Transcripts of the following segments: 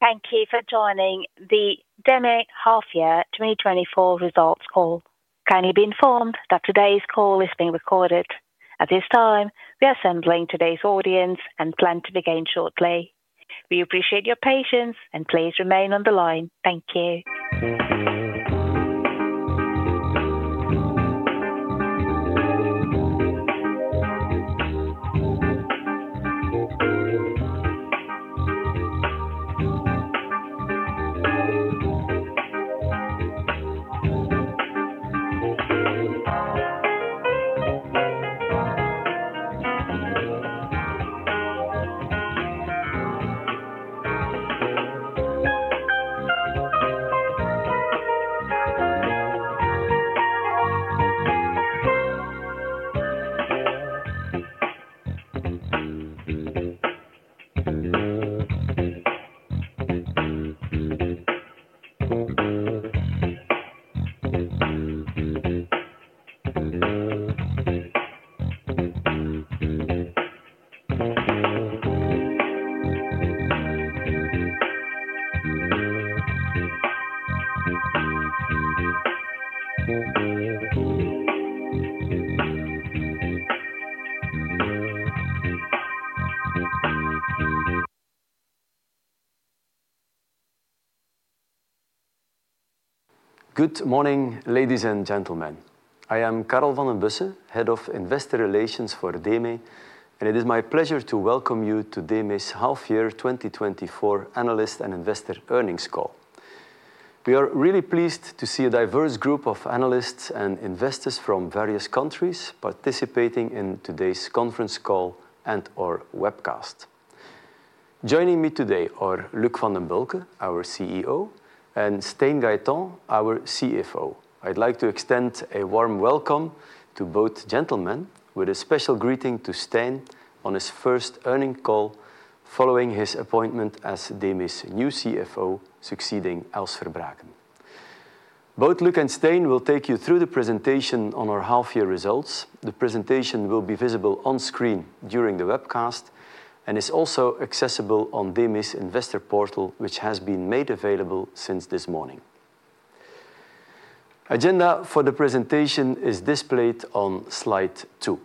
Thank you for joining the DEME Half Year 2024 Results Call. Kindly be informed that today's call is being recorded. At this time, we are assembling today's audience and plan to begin shortly. We appreciate your patience, and please remain on the line. Thank you. Good morning, ladies and gentlemen. I am Karel Van Den Bussche, Head of Investor Relations for DEME, and it is my pleasure to welcome you to DEME's Half Year 2024 Analyst and Investor Earnings Call. We are really pleased to see a diverse group of analysts and investors from various countries participating in today's conference call and/or webcast. Joining me today are Luc Vandenbulcke, our CEO, and Stijn Gaytant, our CFO. I'd like to extend a warm welcome to both gentlemen, with a special greeting to Stijn on his first earnings call following his appointment as DEME's new CFO, succeeding Els Verbruggen. Both Luc and Stijn will take you through the presentation on our half year results. The presentation will be visible on screen during the webcast and is also accessible on DEME's Investor Portal, which has been made available since this morning. Agenda for the presentation is displayed on slide two.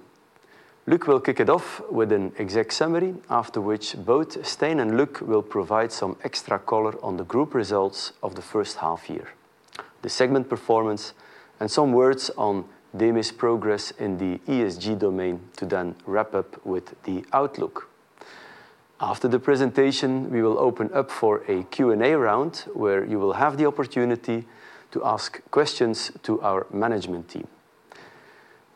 Luc will kick it off with an exec summary, after which both Stijn and Luc will provide some extra color on the group results of the first half year, the segment performance, and some words on DEME's progress in the ESG domain to then wrap up with the outlook. After the presentation, we will open up for a Q&A round, where you will have the opportunity to ask questions to our management team.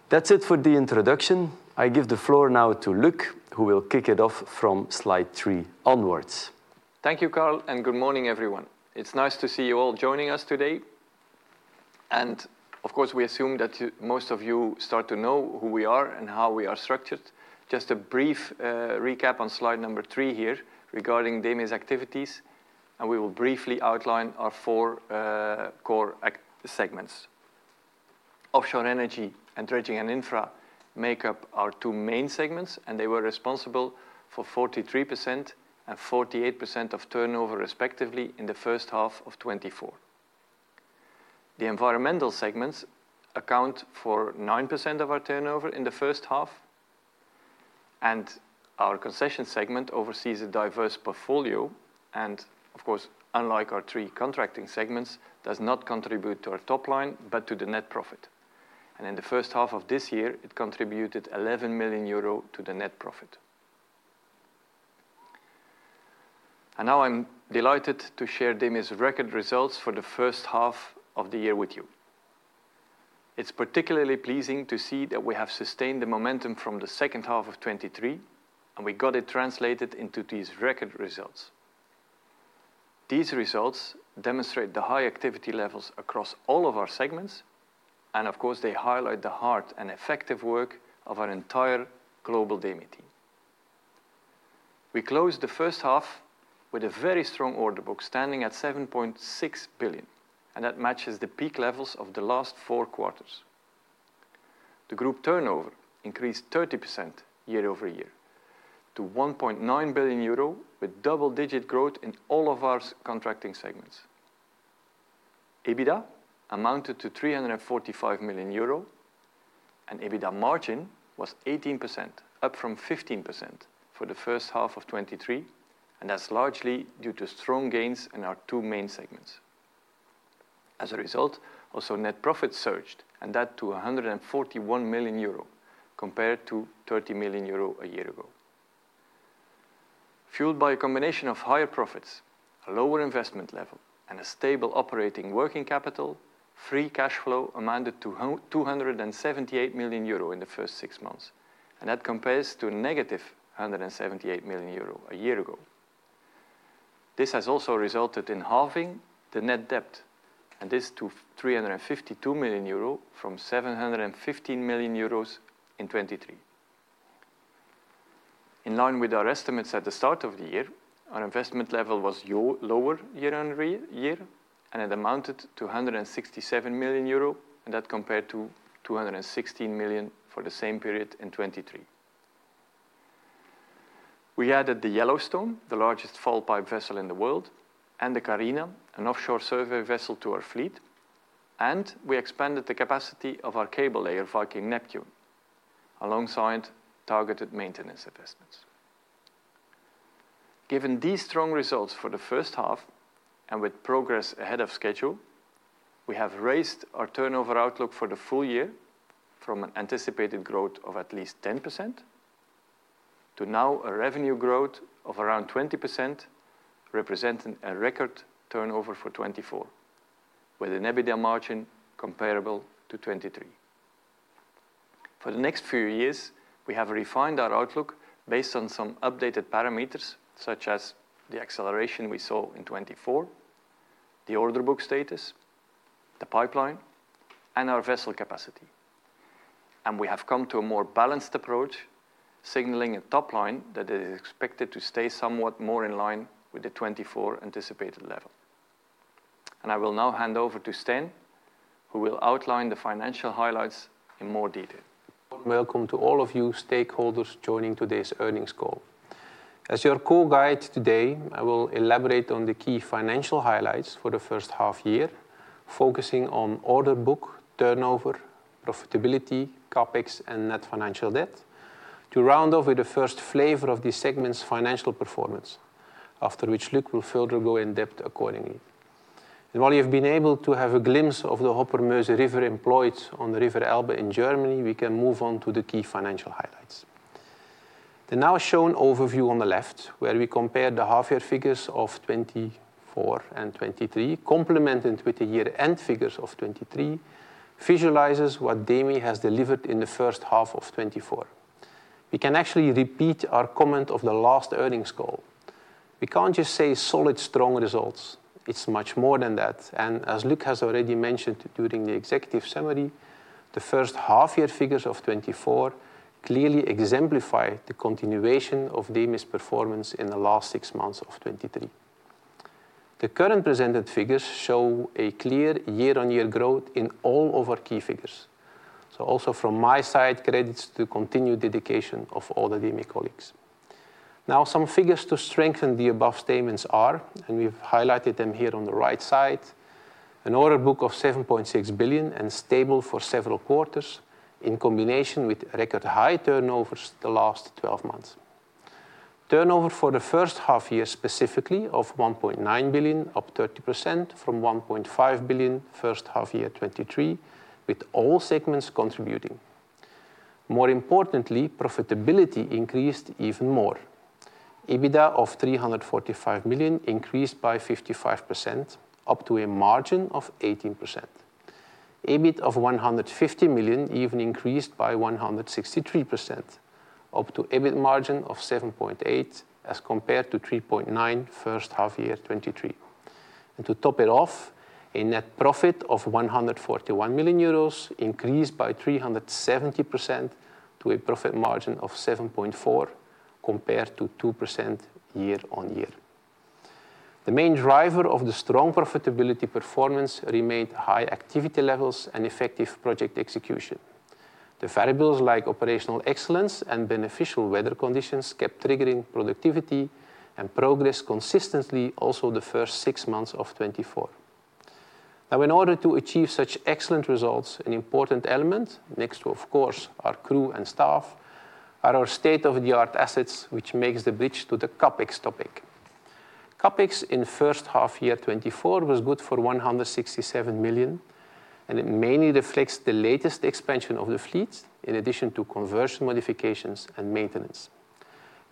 That's it for the introduction. I give the floor now to Luc, who will kick it off from slide three onwards. Thank you, Karel, and good morning, everyone. It's nice to see you all joining us today. And, of course, we assume that you, most of you start to know who we are and how we are structured. Just a brief recap on slide number three here regarding DEME's activities, and we will briefly outline our four core segments. Offshore energy and dredging & infra make up our two main segments, and they were responsible for 43%-48% of turnover, respectively, in the first half of 2024. The environmental segments account for 9% of our turnover in the first half, and our concession segment oversees a diverse portfolio, and of course, unlike our three contracting segments, does not contribute to our top line, but to the net profit. In the first half of this year, it contributed 11 million euro to the net profit. Now I'm delighted to share DEME's record results for the first half of the year with you. It's particularly pleasing to see that we have sustained the momentum from the second half of 2023, and we got it translated into these record results. These results demonstrate the high activity levels across all of our segments, and of course, they highlight the hard and effective work of our entire global DEME team. We closed the first half with a very strong order book, standing at 7.6 billion, and that matches the peak levels of the last four quarters. The group turnover increased 30% year over year to 1.9 billion euro, with double-digit growth in all of our contracting segments. EBITDA amounted to 345 million euro, and EBITDA margin was 18%, up from 15% for the first half of 2023, and that's largely due to strong gains in our two main segments. As a result, also net profit surged, and that to 141 million euro, compared to 30 million euro a year ago. Fueled by a combination of higher profits, a lower investment level, and a stable operating working capital, free cash flow amounted to 278 million euro in the first six months, and that compares to negative 178 million euro a year ago. This has also resulted in halving the net debt, and this to 352 million euro from 715 million euros in 2023. In line with our estimates at the start of the year, our investment level was lower year-on-year, and it amounted to 167 million euro, and that compared to 216 millionfor the same period in 2023. We added the Yellowstone, the largest fall pipe vessel in the world, and the Karina, an offshore survey vessel to our fleet, and we expanded the capacity of our cable layer, Viking Neptune, alongside targeted maintenance investments. Given these strong results for the first half, and with progress ahead of schedule, we have raised our turnover outlook for the full year from an anticipated growth of at least 10% to now a revenue growth of around 20%, representing a record turnover for 2024, with an EBITDA margin comparable to 2023. For the next few years, we have refined our outlook based on some updated parameters, such as the acceleration we saw in 2024, the order book status, the pipeline, and our vessel capacity. We have come to a more balanced approach, signaling a top line that is expected to stay somewhat more in line with the 2024 anticipated level. I will now hand over to Stijn, who will outline the financial highlights in more detail. Welcome to all of you stakeholders joining today's earnings call. As your call guide today, I will elaborate on the key financial highlights for the first half year, focusing on order book, turnover, profitability, CapEx, and net financial debt, to round off with the first flavor of this segment's financial performance. After which, Luc will further go in depth accordingly, and while you've been able to have a glimpse of the hopper barge river employed on the River Elbe in Germany, we can move on to the key financial highlights. The now shown overview on the left, where we compare the half-year figures of 2024 and 2023, complemented with the year-end figures of 2023, visualizes what DEME has delivered in the first half of 2024. We can actually repeat our comment of the last earnings call. We can't just say solid, strong results. It's much more than that, and as Luc has already mentioned during the executive summary, the first half-year figures of 2024 clearly exemplify the continuation of DEME's performance in the last six months of 2023. The current presented figures show a clear year-on-year growth in all of our key figures. So also from my side, credits to continued dedication of all the DEME colleagues. Now, some figures to strengthen the above statements are, and we've highlighted them here on the right side, an order book of 7.6 billion and stable for several quarters, in combination with record high turnovers the last twelve months. Turnover for the first half year, specifically of 1.9 billion, up 30% from 1.5 billion first half year 2023, with all segments contributing. More importantly, profitability increased even more. EBITDA of 345 million increased by 55%, up to a margin of 18%. EBIT of 150 million even increased by 163%, up to EBIT margin of 7.8, as compared to 3.9 first half year 2023. And to top it off, a net profit of 141 million euros increased by 370% to a profit margin of 7.4, compared to 2% year on year. The main driver of the strong profitability performance remained high activity levels and effective project execution. The variables like operational excellence and beneficial weather conditions kept triggering productivity and progress consistently, also the first six months of 2024. Now, in order to achieve such excellent results, an important element, next to, of course, our crew and staff, are our state-of-the-art assets, which makes the bridge to the CapEx topic. CapEx in first half year 2024 was good for 167 million, and it mainly reflects the latest expansion of the fleet, in addition to conversion modifications and maintenance.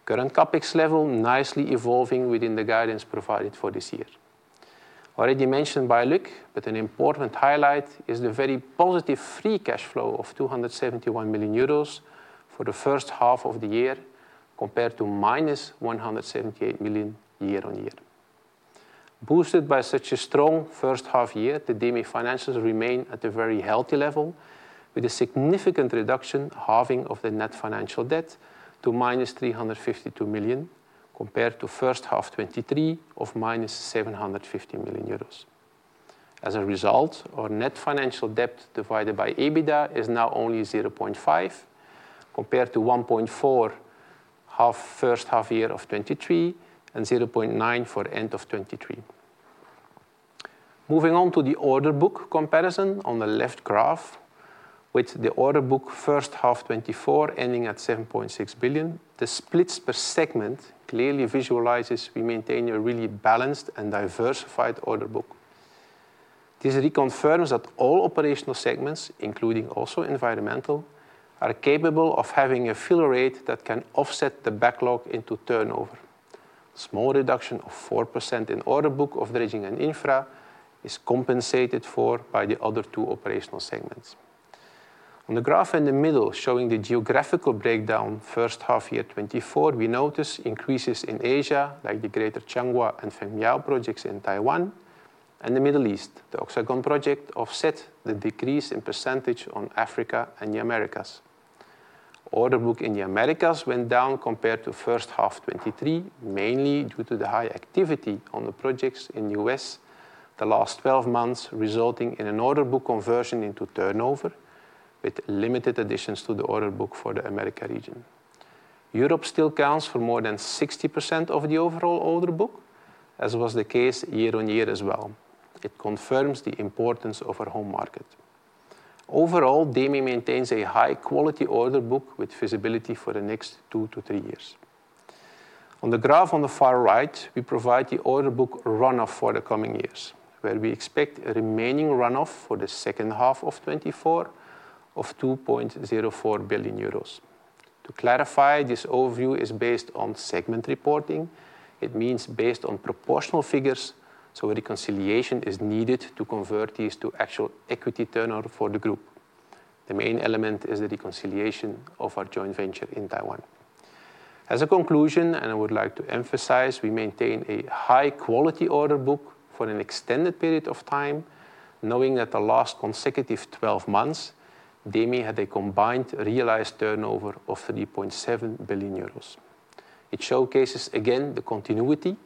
Current CapEx level nicely evolving within the guidance provided for this year. Already mentioned by Luc, but an important highlight is the very positive free cash flow of 271 million euros for the first half of the year, compared to -178 million year on year. Boosted by such a strong first half year, the DEME financials remain at a very healthy level, with a significant reduction, halving of the net financial debt to -352 million, compared to first half 2023 of -750 million euros. As a result, our net financial debt divided by EBITDA is now only 0.5, compared to 1.4, first half year of 2023, and 0.9 for end of 2023. Moving on to the order book comparison on the left graph, with the order book first half 2024 ending at 7.6 billion, the splits per segment clearly visualizes we maintain a really balanced and diversified order book. This reconfirms that all operational segments, including also environmental, are capable of having a fill rate that can offset the backlog into turnover. Small reduction of 4% in order book of dredging and infra is compensated for by the other two operational segments. On the graph in the middle, showing the geographical breakdown first half year 2024, we notice increases in Asia, like the Greater Changhua and Fengmiao projects in Taiwan and the Middle East. The Oxagon project offset the decrease in percentage on Africa and the Americas. Order book in the Americas went down compared to first half 2023, mainly due to the high activity on the projects in the U.S. the last twelve months, resulting in an order book conversion into turnover, with limited additions to the order book for the America region. Europe still counts for more than 60% of the overall order book, as was the case year on year as well. It confirms the importance of our home market. Overall, DEME maintains a high-quality order book with visibility for the next two to three years. On the graph on the far right, we provide the order book run-off for the coming years, where we expect a remaining run-off for the second half of 2024 of 2.04 billion euros. To clarify, this overview is based on segment reporting. It means based on proportional figures, so a reconciliation is needed to convert these to actual equity turnover for the group. The main element is the reconciliation of our joint venture in Taiwan. As a conclusion, and I would like to emphasize, we maintain a high-quality order book for an extended period of time, knowing that the last consecutive twelve months, DEME had a combined realized turnover of 3.7 billion euros. It showcases again, the continuity,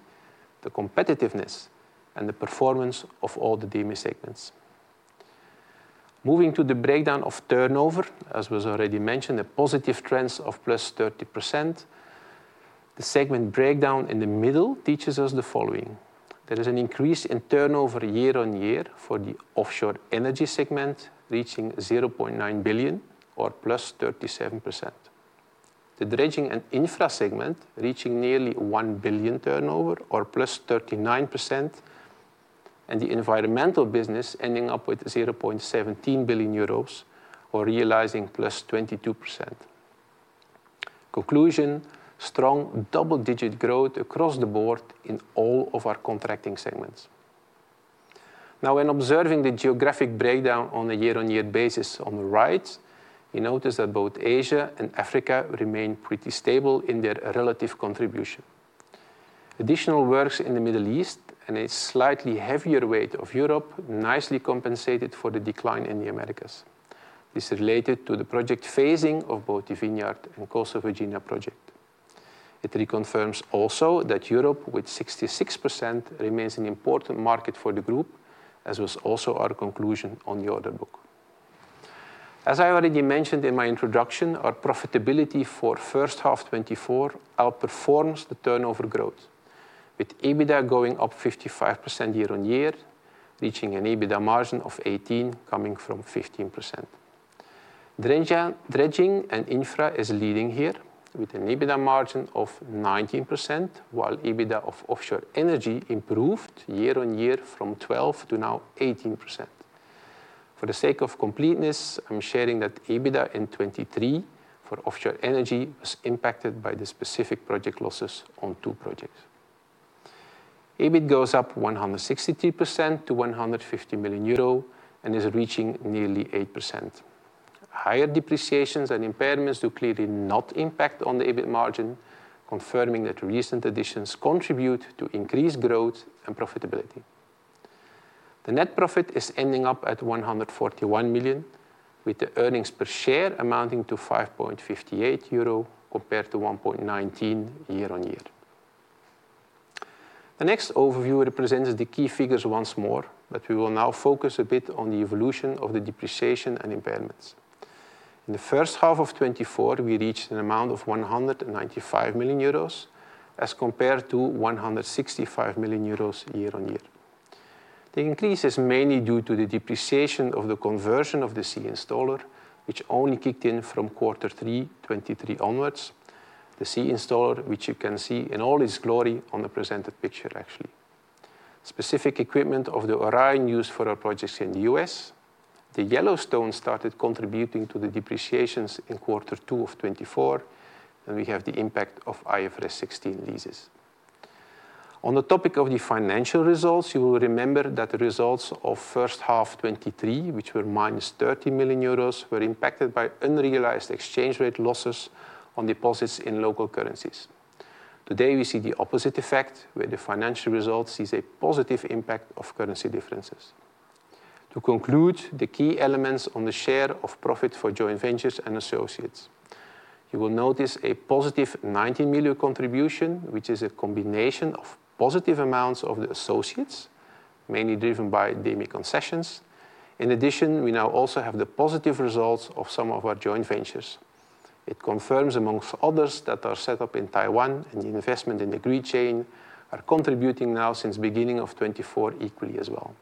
the competitiveness, and the performance of all the DEME segments. Moving to the breakdown of turnover, as was already mentioned, a positive trend of +30%. The segment breakdown in the middle teaches us the following: There is an increase in turnover year on year for the offshore energy segment, reaching 0.9 billion or +37%. The dredging and infra segment, reaching nearly 1 billion turnover or +39%, and the environmental business ending up with 0.17 billion euros or realizing +22%. Conclusion: strong double-digit growth across the board in all of our contracting segments. Now, when observing the geographic breakdown on a year-on-year basis on the right, you notice that both Asia and Africa remain pretty stable in their relative contribution. Additional works in the Middle East and a slightly heavier weight of Europe nicely compensated for the decline in the U.S. This is related to the project phasing of both the Vineyard Wind and Coastal Virginia project. It reconfirms also that Europe, with 66%, remains an important market for the group, as was also our conclusion on the order book. As I already mentioned in my introduction, our profitability for first half 2024 outperforms the turnover growth, with EBITDA going up 55% year on year, reaching an EBITDA margin of 18%, coming from 15%. Dredging and infra is leading here, with an EBITDA margin of 19%, while EBITDA of offshore energy improved year on year from 12% to now 18%. For the sake of completeness, I'm sharing that EBITDA in 2023 for offshore energy was impacted by the specific project losses on two projects. EBIT goes up 163% to 150 million euro and is reaching nearly 8%. Higher depreciations and impairments do clearly not impact on the EBIT margin, confirming that recent additions contribute to increased growth and profitability. The net profit is ending up at 141 million, with the earnings per share amounting to 5.58 euro, compared to 1.19 year on year. The next overview represents the key figures once more, but we will now focus a bit on the evolution of the depreciation and impairments. In the first half of 2024, we reached an amount of 195 million euros as compared to 165 million euros year on year. The increase is mainly due to the depreciation of the conversion of the Sea Installer, which only kicked in from quarter three 2023 onwards. The Sea Installer, which you can see in all its glory on the presented picture, actually. Specific equipment of the Orion used for our projects in the U.S. The Yellowstone started contributing to the depreciations in quarter two of 2024, and we have the impact of IFRS 16 leases. On the topic of the financial results, you will remember that the results of first half 2023, which were -30 million euros, were impacted by unrealized exchange rate losses on deposits in local currencies. Today, we see the opposite effect, where the financial result sees a positive impact of currency differences. To conclude, the key elements on the share of profit for joint ventures and associates. You will notice a positive 90 million contribution, which is a combination of positive amounts of the associates, mainly driven by DEME concessions. In addition, we now also have the positive results of some of our joint ventures. It confirms, among others, that are set up in Taiwan, and the investment in the green chain are contributing now since beginning of 2024 equally as well.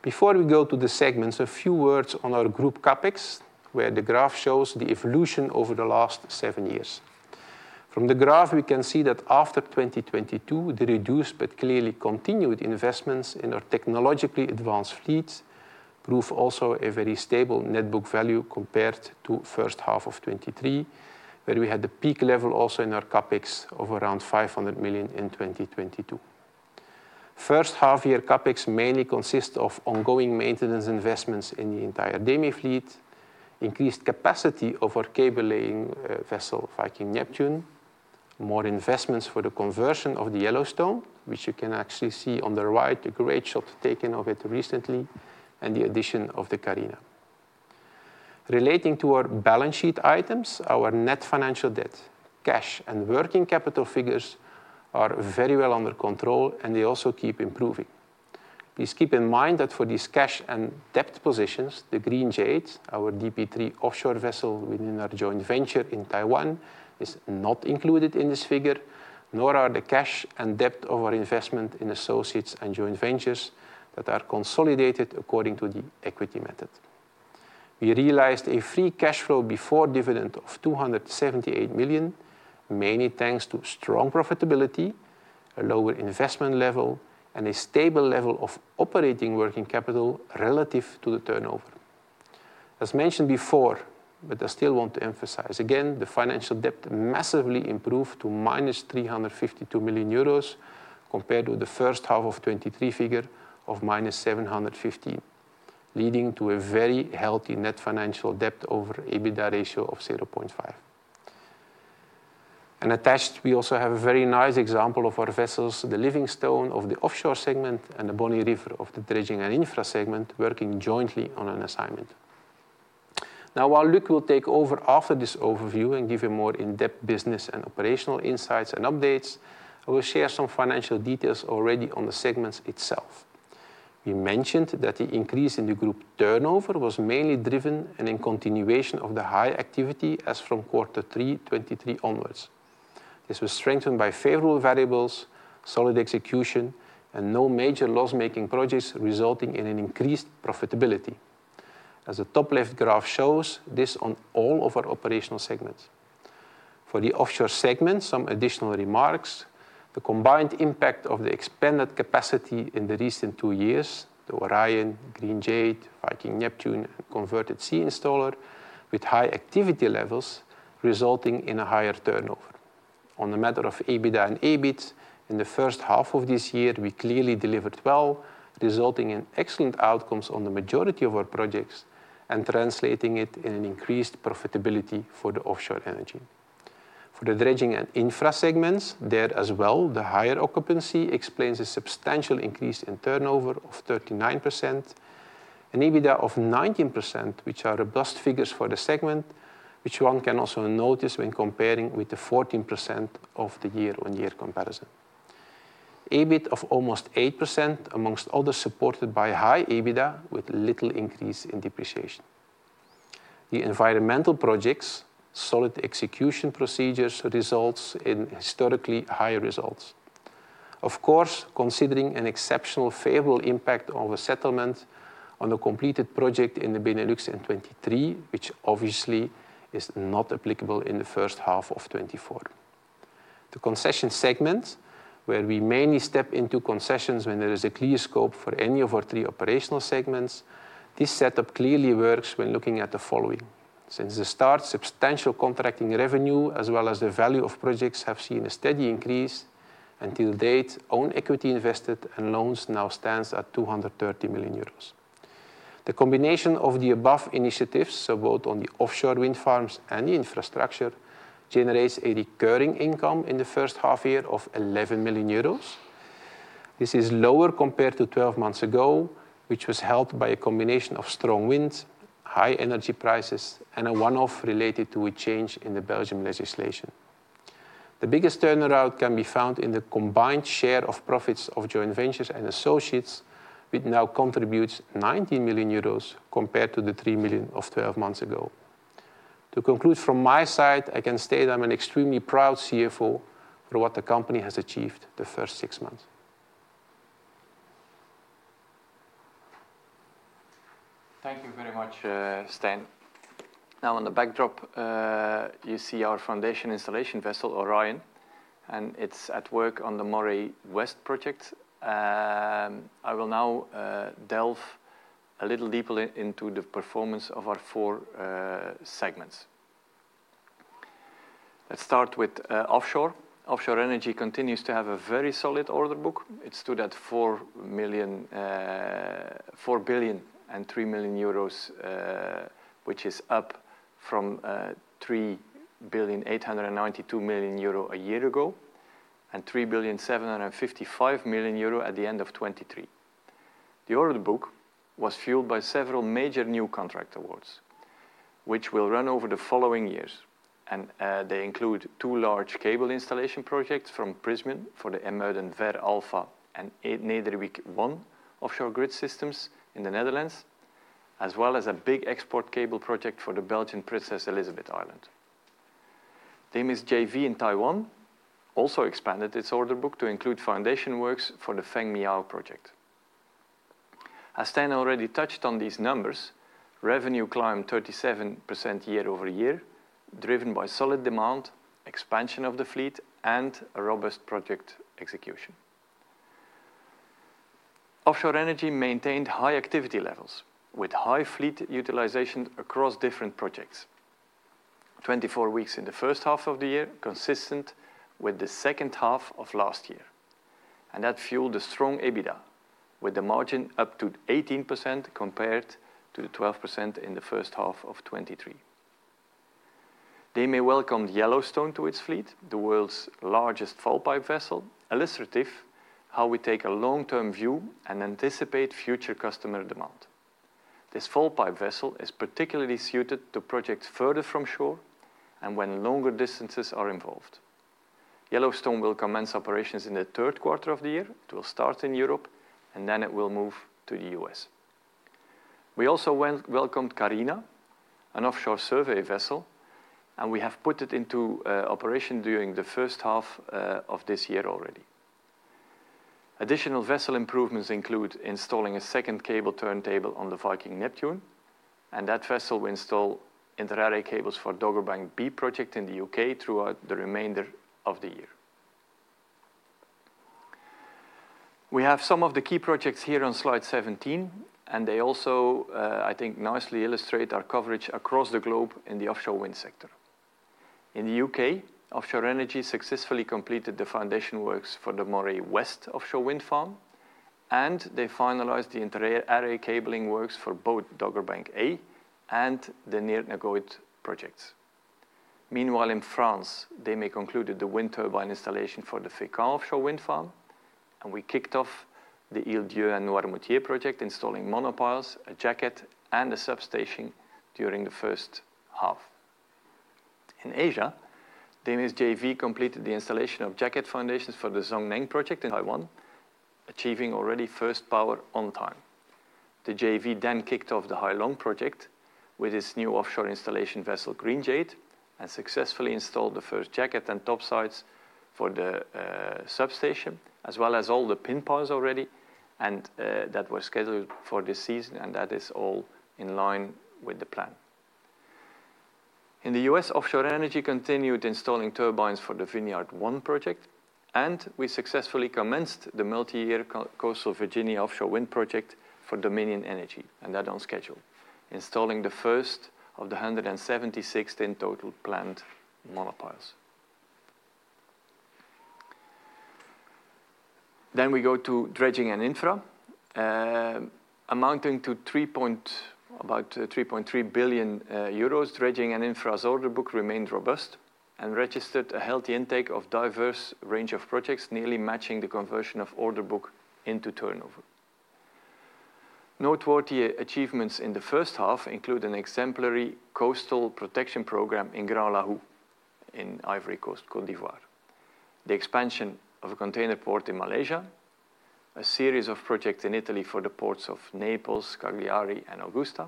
Before we go to the segments, a few words on our group CapEx, where the graph shows the evolution over the last seven years. From the graph, we can see that after 2022, the reduced but clearly continued investments in our technologically advanced fleet prove also a very stable net book value compared to first half of 2023, where we had the peak level also in our CapEx of around 500 million in 2022. First half-year CapEx mainly consists of ongoing maintenance investments in the entire DEME fleet, increased capacity of our cable laying vessel, Viking Neptune, more investments for the conversion of the Yellowstone, which you can actually see on the right, a great shot taken of it recently, and the addition of the Karina. Relating to our balance sheet items, our net financial debt, cash and working capital figures are very well under control, and they also keep improving. Please keep in mind that for these cash and debt positions, the Green Jade, our DP3 offshore vessel within our joint venture in Taiwan, is not included in this figure, nor are the cash and debt of our investment in associates and joint ventures that are consolidated according to the equity method. We realized a free cash flow before dividend of 278 million, mainly thanks to strong profitability, a lower investment level, and a stable level of operating working capital relative to the turnover. As mentioned before, but I still want to emphasize again, the financial debt massively improved to -352 million euros, compared with the first half of 2023 figure of -715 million, leading to a very healthy net financial debt over EBITDA ratio of 0.5. Attached, we also have a very nice example of our vessels, the Living Stone of the offshore segment and the Bonny River of the dredging and infra segment, working jointly on an assignment. Now, while Luc will take over after this overview and give you more in-depth business and operational insights and updates, I will share some financial details already on the segments itself. We mentioned that the increase in the group turnover was mainly driven and in continuation of the high activity as from quarter three 2023 onwards. This was strengthened by favorable variables, solid execution, and no major loss-making projects, resulting in an increased profitability. As the top left graph shows, this on all of our operational segments. For the offshore segment, some additional remarks. The combined impact of the expanded capacity in the recent two years, the Orion, Green Jade, Viking Neptune, and converted Sea Installer, with high activity levels resulting in a higher turnover. On the matter of EBITDA and EBIT, in the first half of this year, we clearly delivered well, resulting in excellent outcomes on the majority of our projects and translating it in an increased profitability for the offshore energy. For the dredging and infra segments, there as well, the higher occupancy explains a substantial increase in turnover of 39%. An EBITDA of 19%, which are robust figures for the segment, which one can also notice when comparing with the 14% of the year-on-year comparison. EBIT of almost 8%, amongst others, supported by high EBITDA, with little increase in depreciation. The environmental projects, solid execution procedures, results in historically higher results. Of course, considering an exceptional favorable impact of a settlement on the completed project in the Benelux in 2023, which obviously is not applicable in the first half of 2024. The concession segment, where we mainly step into concessions when there is a clear scope for any of our three operational segments. This setup clearly works when looking at the following. Since the start, substantial contracting revenue, as well as the value of projects, have seen a steady increase. To date, own equity invested and loans now stands at 230 million euros. The combination of the above initiatives, so both on the offshore wind farms and the infrastructure, generates a recurring income in the first half year of 11 million euros. This is lower compared to twelve months ago, which was helped by a combination of strong winds, high energy prices, and a one-off related to a change in the Belgian legislation. The biggest turnaround can be found in the combined share of profits of joint ventures and associates, which now contributes 90 million euros compared to the 3 million of twelve months ago. To conclude, from my side, I can state I'm an extremely proud CFO for what the company has achieved the first six months. Thank you very much, Stijn. Now, on the backdrop, you see our foundation installation vessel, Orion, and it's at work on the Moray West project. I will now delve a little deeper into the performance of our four segments. Let's start with offshore. Offshore energy continues to have a very solid order book. It stood at 4.003 billion, which is up from 3.892 billion a year ago, and 3.755 billion at the end of 2023. The order book was fueled by several major new contract awards, which will run over the following years, and they include two large cable installation projects from Prysmian for the IJmuiden Ver Alpha and Nederwiek 1 offshore grid systems in the Netherlands, as well as a big export cable project for the Belgian Princess Elisabeth Island. The DEME JV in Taiwan also expanded its order book to include foundation works for the Fengmiao project. As Stijn already touched on these numbers, revenue climbed 37% year over year, driven by solid demand, expansion of the fleet, and a robust project execution. Offshore energy maintained high activity levels, with high fleet utilization across different projects. 24 weeks in the first half of the year, consistent with the second half of last year, and that fueled a strong EBITDA, with the margin up to 18% compared to the 12% in the first half of 2023. DEME welcomed Yellowstone to its fleet, the world's largest fall pipe vessel, illustrative how we take a long-term view and anticipate future customer demand. This fall pipe vessel is particularly suited to projects further from shore and when longer distances are involved. Yellowstone will commence operations in the third quarter of the year. It will start in Europe, and then it will move to the U.S. We also welcomed Karina, an offshore survey vessel, and we have put it into operation during the first half of this year already. Additional vessel improvements include installing a second cable turntable on the Viking Neptune, and that vessel will install inter-array cables for Dogger Bank B project in the U.K. throughout the remainder of the year. We have some of the key projects here on slide 17, and they also, I think, nicely illustrate our coverage across the globe in the offshore wind sector. In the U.K., offshore energy successfully completed the foundation works for the Moray West offshore wind farm, and they finalized the inter-array cabling works for both Dogger Bank A and the Neart na Gaoithe projects. Meanwhile, in France, they have concluded the wind turbine installation for the Fécamp offshore wind farm, and we kicked off the Île d'Yeu and Noirmoutier project, installing monopiles, a jacket, and a substation during the first half. In Asia, DEME's JV completed the installation of jacket foundations for the Zhong Neng project in Taiwan, achieving already first power on time. The JV then kicked off the Hai Long project with its new offshore installation vessel, Green Jade, and successfully installed the first jacket and topsides for the substation, as well as all the pin piles already, and that were scheduled for this season, and that is all in line with the plan. In the US.., offshore energy continued installing turbines for the Vineyard Wind project, and we successfully commenced the multi-year Coastal Virginia Offshore Wind project for Dominion Energy, and that on schedule, installing the first of the hundred and seventy-six in total planned monopiles. Then we go to dredging and infra. Amounting to about 3.3 billion euros, dredging and infra's order book remained robust and registered a healthy intake of diverse range of projects, nearly matching the conversion of order book into turnover. Noteworthy achievements in the first half include an exemplary coastal protection program in Grand-Lahou, in Ivory Coast, Côte d'Ivoire. The expansion of a container port in Malaysia, a series of projects in Italy for the ports of Naples, Cagliari, and Augusta,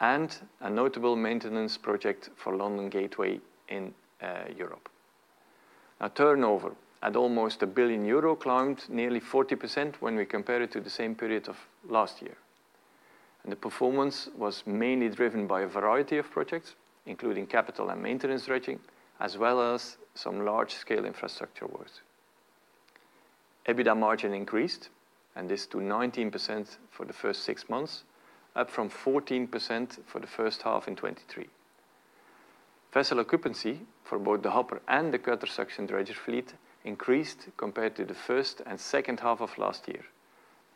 and a notable maintenance project for London Gateway in Europe. Now, turnover, at almost 1 billion euro, climbed nearly 40% when we compare it to the same period of last year. The performance was mainly driven by a variety of projects, including capital and maintenance dredging, as well as some large-scale infrastructure works. EBITDA margin increased, and this to 19% for the first six months, up from 14% for the first half in 2023. Vessel occupancy for both the hopper and the cutter suction dredger fleet increased compared to the first and second half of last year,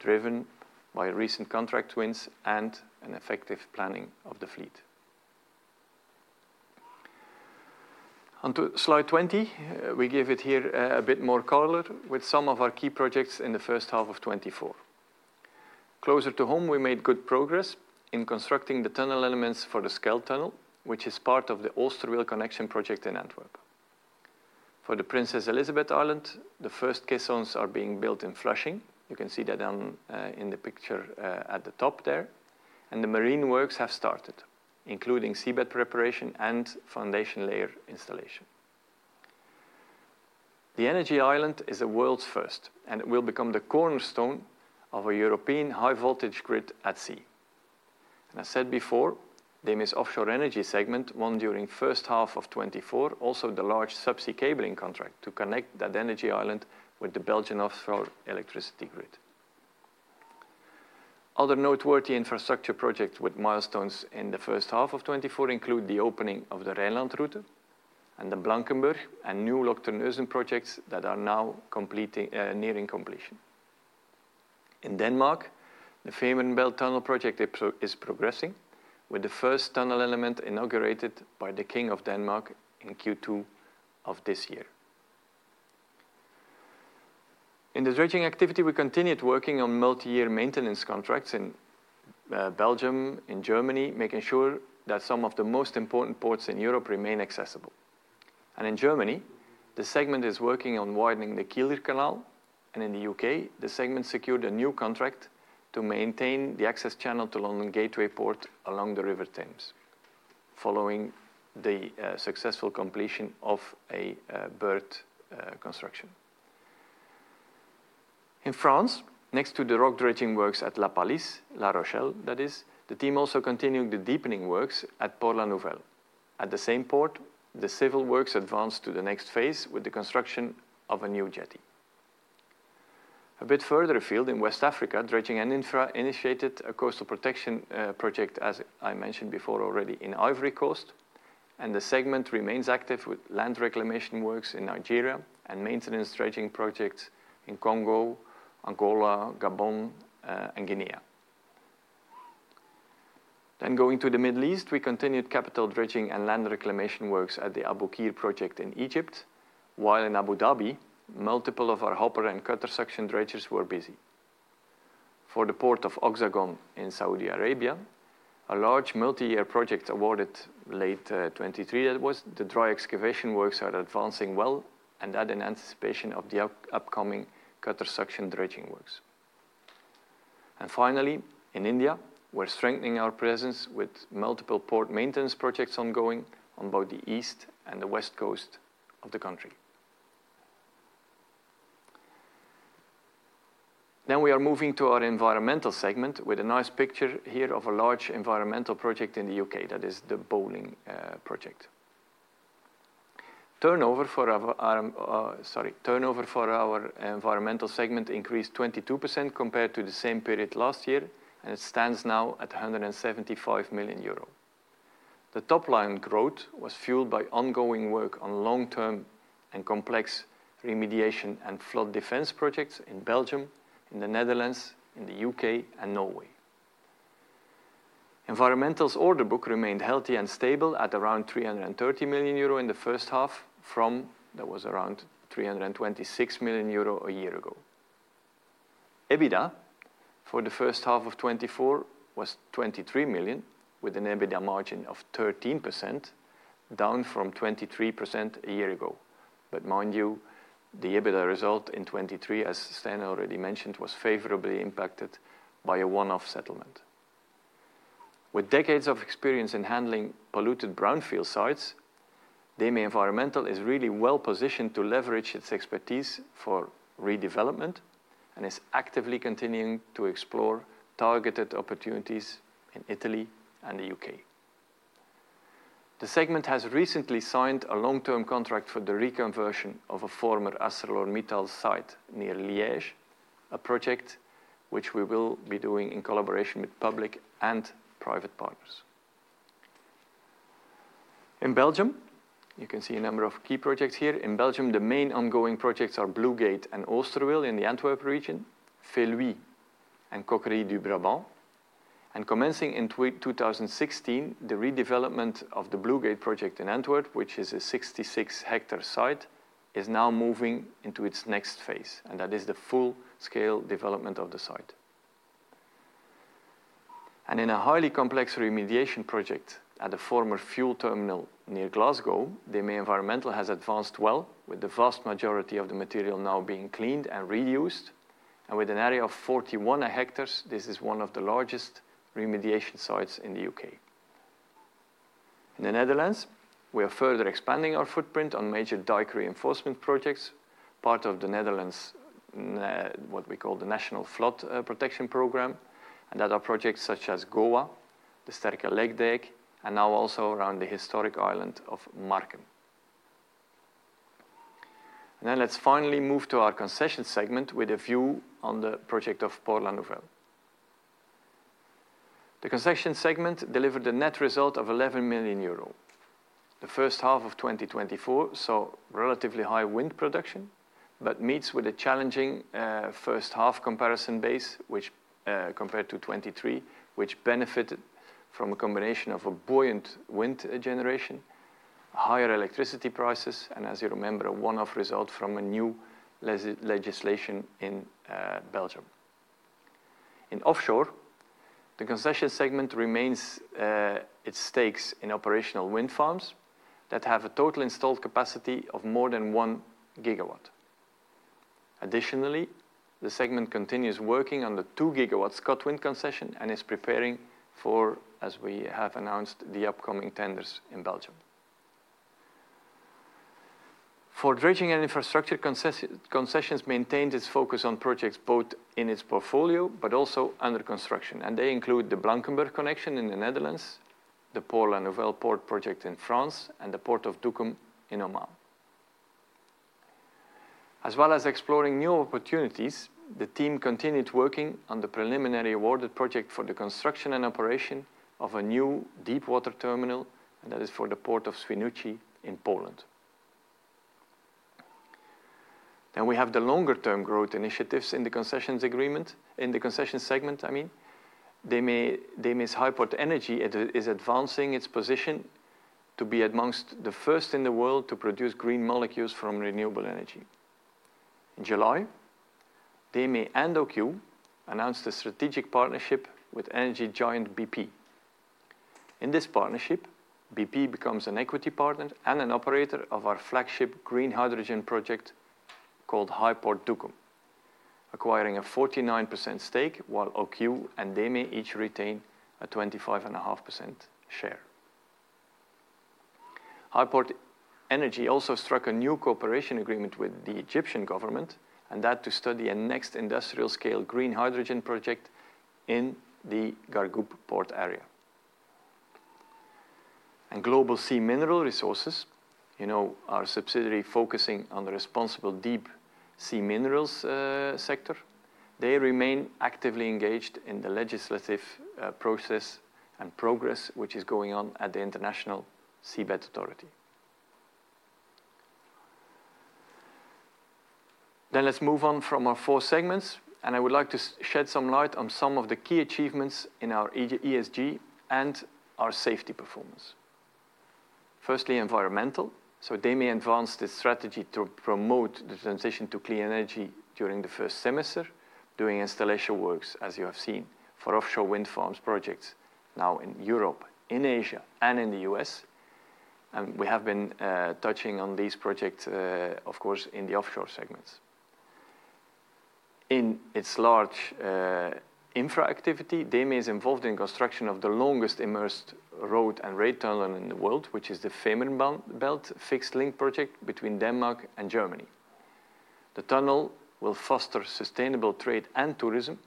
driven by recent contract wins and an effective planning of the fleet. On to slide 20, we give it here, a bit more color with some of our key projects in the first half of 2024. Closer to home, we made good progress in constructing the tunnel elements for the Scheldetunnel, which is part of the Oosterweel connection project in Antwerp. For the Princess Elisabeth Island, the first caissons are being built in Flushing. You can see that on, in the picture, at the top there, and the marine works have started, including seabed preparation and foundation layer installation. The energy island is a world's first, and it will become the cornerstone of a European high-voltage grid at sea. And I said before, DEME's offshore energy segment won during first half of 2024, also the large subsea cabling contract to connect that energy island with the Belgian offshore electricity grid. Other noteworthy infrastructure projects with milestones in the first half of 2024 include the opening of the Rijnland Route and the Blankenburg and New Lock Terneuzen projects that are now completing, nearing completion. In Denmark, the Fehmarnbelt Tunnel project is progressing, with the first tunnel element inaugurated by the King of Denmark in Q2 of this year. In the dredging activity, we continued working on multi-year maintenance contracts in Belgium, in Germany, making sure that some of the most important ports in Europe remain accessible. In Germany, the segment is working on widening the Kiel Canal, and in the U.K., the segment secured a new contract to maintain the access channel to London Gateway Port along the River Thames, following the successful completion of a berth construction. In France, next to the rock dredging works at La Pallice, La Rochelle, that is, the team also continued the deepening works at Port-La-Nouvelle. At the same port, the civil works advanced to the next phase with the construction of a new jetty. A bit further afield, in West Africa, dredging and infra initiated a coastal protection project, as I mentioned before already, in Ivory Coast, and the segment remains active with land reclamation works in Nigeria and maintenance dredging projects in Congo, Angola, Gabon, and Guinea. Then going to the Middle East, we continued capital dredging and land reclamation works at the Abu Qir project in Egypt, while in Abu Dhabi, multiple of our hopper and cutter suction dredgers were busy for the Port of Oxagon in Saudi Arabia, a large multi-year project awarded late 2023, that was. The dry excavation works are advancing well, and that's in anticipation of the upcoming cutter suction dredging works. And finally, in India, we're strengthening our presence with multiple port maintenance projects ongoing on both the east and the west coast of the country. Now we are moving to our environmental segment with a nice picture here of a large environmental project in the U.K. That is the Bowling project. Turnover for our, Turnover for our environmental segment increased 22% compared to the same period last year, and it stands now at 175 million euro. The top-line growth was fueled by ongoing work on long-term and complex remediation and flood defense projects in Belgium, in the Netherlands, in the U.K., and Norway. Environmental's order book remained healthy and stable at around 330 million euro in the first half, from that was around 326 million euro a year ago. EBITDA for the first half of 2024 was 23 million, with an EBITDA margin of 13%, down from 23% a year ago. But mind you, the EBITDA result in 2023, as Stijn already mentioned, was favorably impacted by a one-off settlement. With decades of experience in handling polluted brownfield sites, DEME Environmental is really well-positioned to leverage its expertise for redevelopment and is actively continuing to explore targeted opportunities in Italy and the U.K. The segment has recently signed a long-term contract for the reconversion of a former ArcelorMittal site near Liège, a project which we will be doing in collaboration with public and private partners. In Belgium, you can see a number of key projects here. In Belgium, the main ongoing projects are Bluegate and Oosterweel in the Antwerp region, Feluy and Cokerie du Brabant, and commencing in 2016, the redevelopment of the Bluegate project in Antwerp, which is a sixty-six-hectare site, is now moving into its next phase, and that is the full-scale development of the site. In a highly complex remediation project at a former fuel terminal near Glasgow, DEME Environmental has advanced well, with the vast majority of the material now being cleaned and reused. With an area of 41 hectares, this is one of the largest remediation sites in the U.K. In the Netherlands, we are further expanding our footprint on major dike reinforcement projects, part of the Netherlands, what we call the National Flood Protection Program, and other projects such as GoWa, the Sterke Lekdijk, and now also around the historic island of Marken. Let's finally move to our concession segment with a view on the project of Port-La-Nouvelle. The concession segment delivered a net result of 11 million euro. The first half of 2024 saw relatively high wind production, but meets with a challenging first half comparison base, which compared to 2023, which benefited from a combination of a buoyant wind generation, higher electricity prices, and as you remember, a one-off result from a new legislation in Belgium. In offshore, the concession segment remains its stakes in operational wind farms that have a total installed capacity of more than one gigawatt. Additionally, the segment continues working on the 2 GW ScotWind concession and is preparing for, as we have announced, the upcoming tenders in Belgium. For dredging and infrastructure, concessions maintained its focus on projects both in its portfolio but also under construction, and they include the Blankenburg Connection in the Netherlands, the Port-La-Nouvelle port project in France, and the Port of Duqm in Oman. As well as exploring new opportunities, the team continued working on the preliminary awarded project for the construction and operation of a new deepwater terminal, and that is for the Port of Świnoujście in Poland. Then we have the longer-term growth initiatives in the concessions agreement, in the concessions segment, I mean. DEME, DEME's HyPort Energy is advancing its position to be amongst the first in the world to produce green molecules from renewable energy. In July, DEME and OQ announced a strategic partnership with energy giant BP. In this partnership, BP becomes an equity partner and an operator of our flagship green hydrogen project called HYPORT Duqm, acquiring a 49% stake, while OQ and DEME each retain a 25.5% share. HyPort Energy also struck a new cooperation agreement with the Egyptian government, and that to study a next industrial-scale green hydrogen project in the Gargoub port area. And Global Sea Mineral Resources, you know, our subsidiary focusing on the responsible deep sea minerals sector, they remain actively engaged in the legislative process and progress, which is going on at the International Seabed Authority. Then let's move on from our four segments, and I would like to shed some light on some of the key achievements in our ESG and our safety performance. Firstly, environmental. So DEME advanced its strategy to promote the transition to clean energy during the first semester, doing installation works, as you have seen, for offshore wind farms projects now in Europe, in Asia, and in the U.S. We have been touching on these projects, of course, in the offshore segments. In its large infra activity, DEME is involved in construction of the longest immersed road and rail tunnel in the world, which is the Fehmarnbelt Fixed Link project between Denmark and Germany. The tunnel will foster sustainable trade and tourism,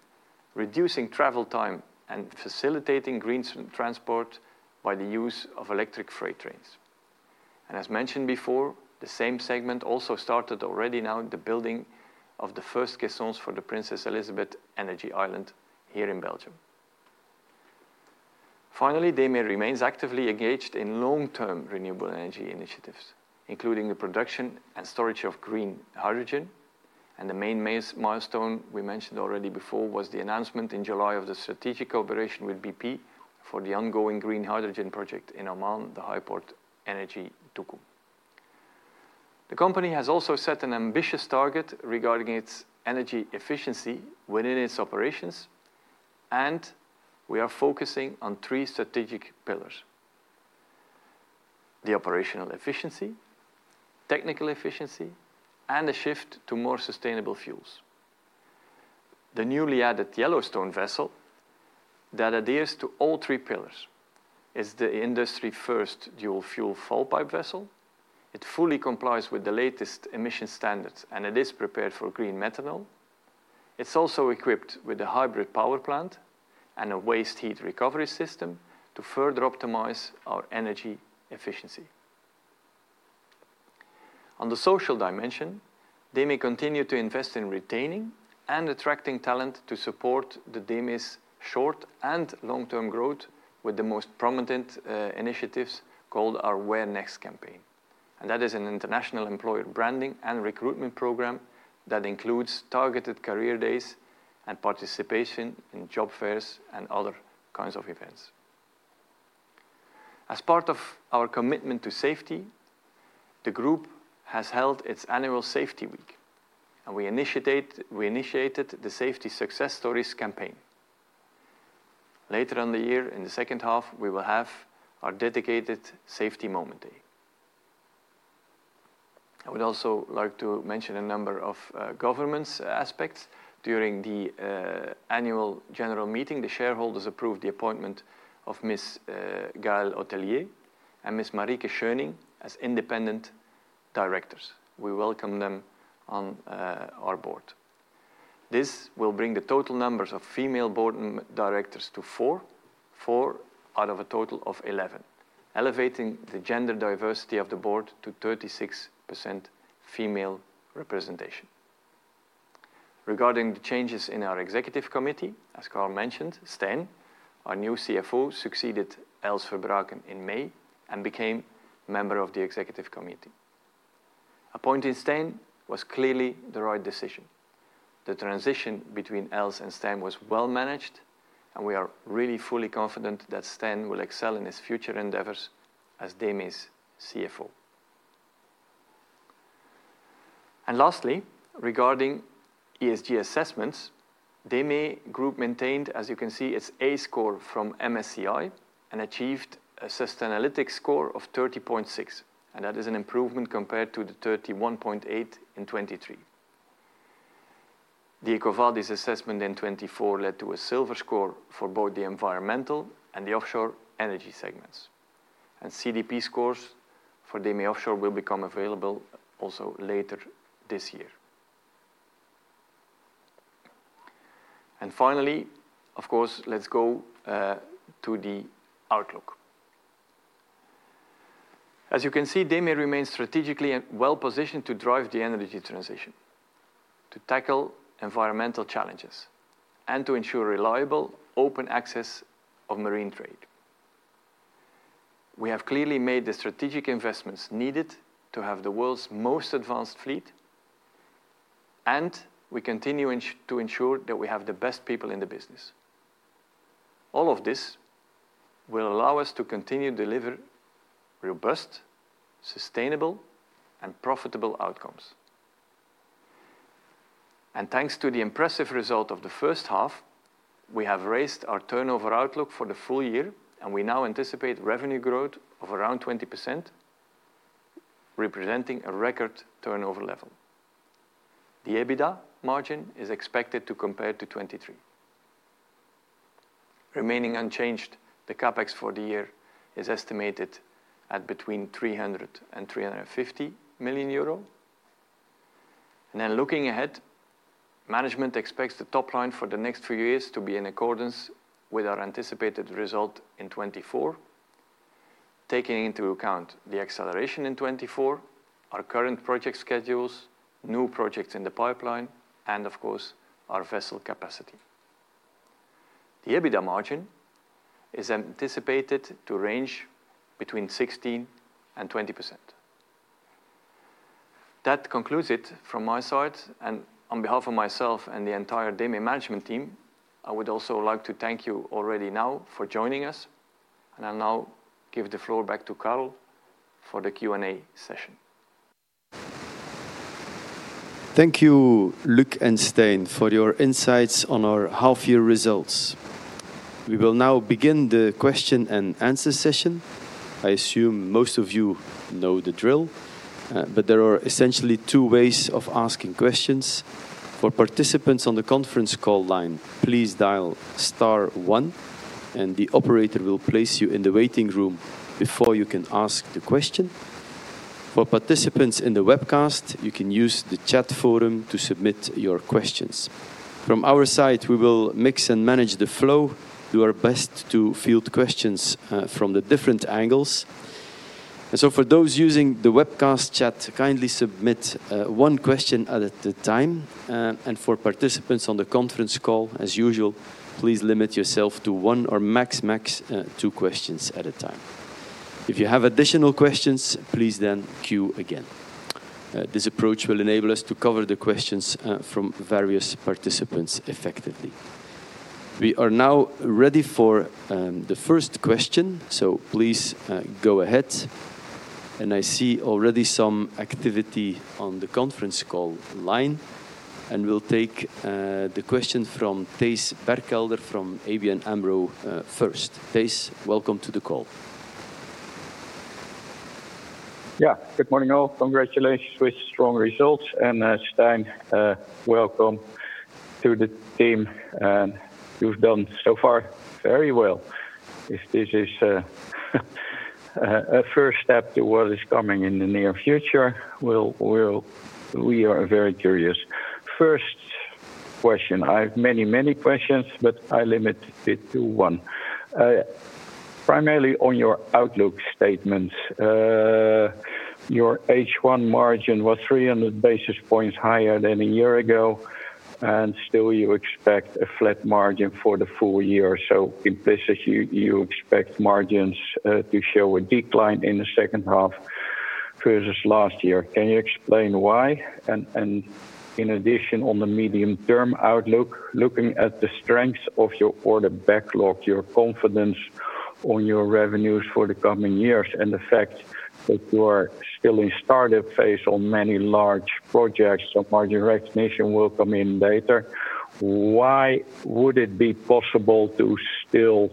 reducing travel time and facilitating green transport by the use of electric freight trains. As mentioned before, the same segment also started already now the building of the first caissons for the Princess Elisabeth Island here in Belgium. Finally, DEME remains actively engaged in long-term renewable energy initiatives, including the production and storage of green hydrogen. The main milestone we mentioned already before was the announcement in July of the strategic operation with BP for the ongoing green hydrogen project in Oman, the HyPort Energy Duqm. The company has also set an ambitious target regarding its energy efficiency within its operations, and we are focusing on three strategic pillars: the operational efficiency, technical efficiency, and the shift to more sustainable fuels. The newly added Yellowstone vessel that adheres to all three pillars is the industry-first dual-fuel fall pipe vessel. It fully complies with the latest emission standards, and it is prepared for green methanol. It's also equipped with a hybrid power plant and a waste heat recovery system to further optimize our energy efficiency. On the social dimension, DEME continue to invest in retaining and attracting talent to support the DEME's short- and long-term growth, with the most prominent initiatives called our Where Next campaign, and that is an international employer branding and recruitment program that includes targeted career days and participation in job fairs and other kinds of events. As part of our commitment to safety, the group has held its annual safety week, and we initiated the Safety Success Stories campaign. Later on the year, in the second half, we will have our dedicated safety moment day. I would also like to mention a number of governance aspects. During the annual general meeting, the shareholders approved the appointment of Miss Gaëlle Hotellier and Miss Marieke Schöning as independent directors. We welcome them on our board. This will bring the total numbers of female board directors to four, four out of a total of 11, elevating the gender diversity of the board to 36% female representation. Regarding the changes in our executive committee, as Carl mentioned, Stijn, our new CFO, succeeded Els Verbruggen in May and became member of the executive committee. Appointing Stijn was clearly the right decision. The transition between Els and Stijn was well managed, and we are really fully confident that Stijn will excel in his future endeavors as DEME's CFO. And lastly, regarding ESG assessments, DEME Group maintained, as you can see, its A score from MSCI and achieved a Sustainalytics score of 30.6, and that is an improvement compared to the 31.8 in 2023. The EcoVadis assessment in 2024 led to a silver score for both the environmental and the offshore energy segments. And CDP scores for DEME offshore will become available also later this year. And finally, of course, let's go to the outlook. As you can see, DEME remains strategically and well-positioned to drive the energy transition, to tackle environmental challenges, and to ensure reliable, open access of marine trade. We have clearly made the strategic investments needed to have the world's most advanced fleet, and we continue to ensure that we have the best people in the business. All of this will allow us to continue to deliver robust, sustainable, and profitable outcomes. Thanks to the impressive result of the first half, we have raised our turnover outlook for the full year, and we now anticipate revenue growth of around 20%, representing a record turnover level. The EBITDA margin is expected to compare to 23%. Remaining unchanged, the CapEx for the year is estimated at between 300 million-350 million euro. And then looking ahead, management expects the top line for the next few years to be in accordance with our anticipated result in 2024, taking into account the acceleration in 2024, our current project schedules, new projects in the pipeline, and of course, our vessel capacity. The EBITDA margin is anticipated to range between 16%-20%.... That concludes it from my side, and on behalf of myself and the entire DEME management team, I would also like to thank you already now for joining us, and I'll now give the floor back to Karel for the Q&A session. Thank you, Luc and Stijn, for your insights on our half-year results. We will now begin the question and answer session. I assume most of you know the drill, but there are essentially two ways of asking questions. For participants on the conference call line, please dial star one, and the operator will place you in the waiting room before you can ask the question. For participants in the webcast, you can use the chat forum to submit your questions. From our side, we will mix and manage the flow, do our best to field questions from the different angles. And so for those using the webcast chat, kindly submit one question at a time. And for participants on the conference call, as usual, please limit yourself to one or max two questions at a time. If you have additional questions, please then queue again. This approach will enable us to cover the questions from various participants effectively. We are now ready for the first question, so please go ahead. And I see already some activity on the conference call line, and we'll take the question from Thijs Berkelder from ABN AMRO first. Thijs, welcome to the call. Yeah. Good morning, all. Congratulations with strong results, and, Stijn, welcome to the team. You've done so far very well. If this is a first step to what is coming in the near future, we'll, we'll-- we are very curious. First question. I have many, many questions, but I limit it to one. Primarily on your outlook statements. Your H1 margin was three hundred basis points higher than a year ago, and still you expect a flat margin for the full year. So implicitly, you expect margins to show a decline in the second half versus last year. Can you explain why? In addition, on the medium-term outlook, looking at the strength of your order backlog, your confidence on your revenues for the coming years, and the fact that you are still in startup phase on many large projects, so margin recognition will come in later, why would it be possible to still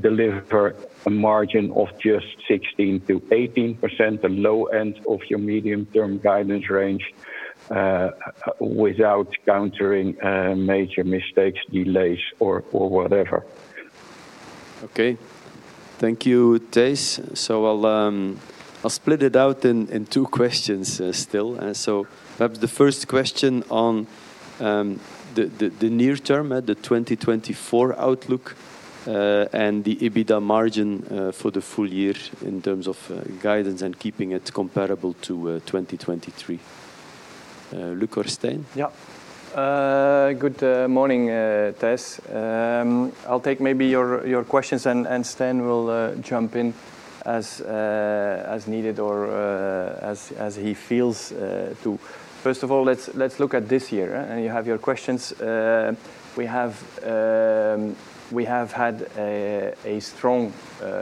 deliver a margin of just 16%-18%, the low end of your medium-term guidance range, without countering major mistakes, delays, or whatever? Okay. Thank you, Thijs. So I'll split it out in two questions still. So perhaps the first question on the near term, at the 2024 outlook, and the EBITDA margin for the full year in terms of guidance and keeping it comparable to 2023. Luc or Stijn? Yeah. Good morning, Thijs. I'll take maybe your questions, and Stijn will jump in as needed or as he feels to. First of all, let's look at this year, and you have your questions. We have had a strong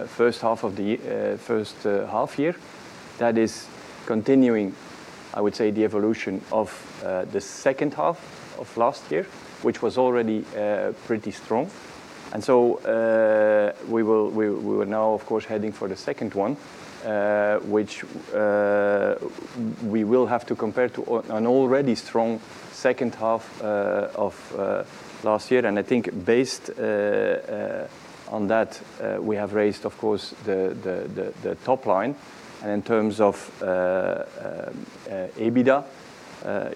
first half of the year - first half year. That is continuing, I would say, the evolution of the second half of last year, which was already pretty strong. And so, we are now, of course, heading for the second one, which we will have to compare to an already strong second half of last year. And I think based on that, we have raised, of course, the top line. And in terms of EBITDA,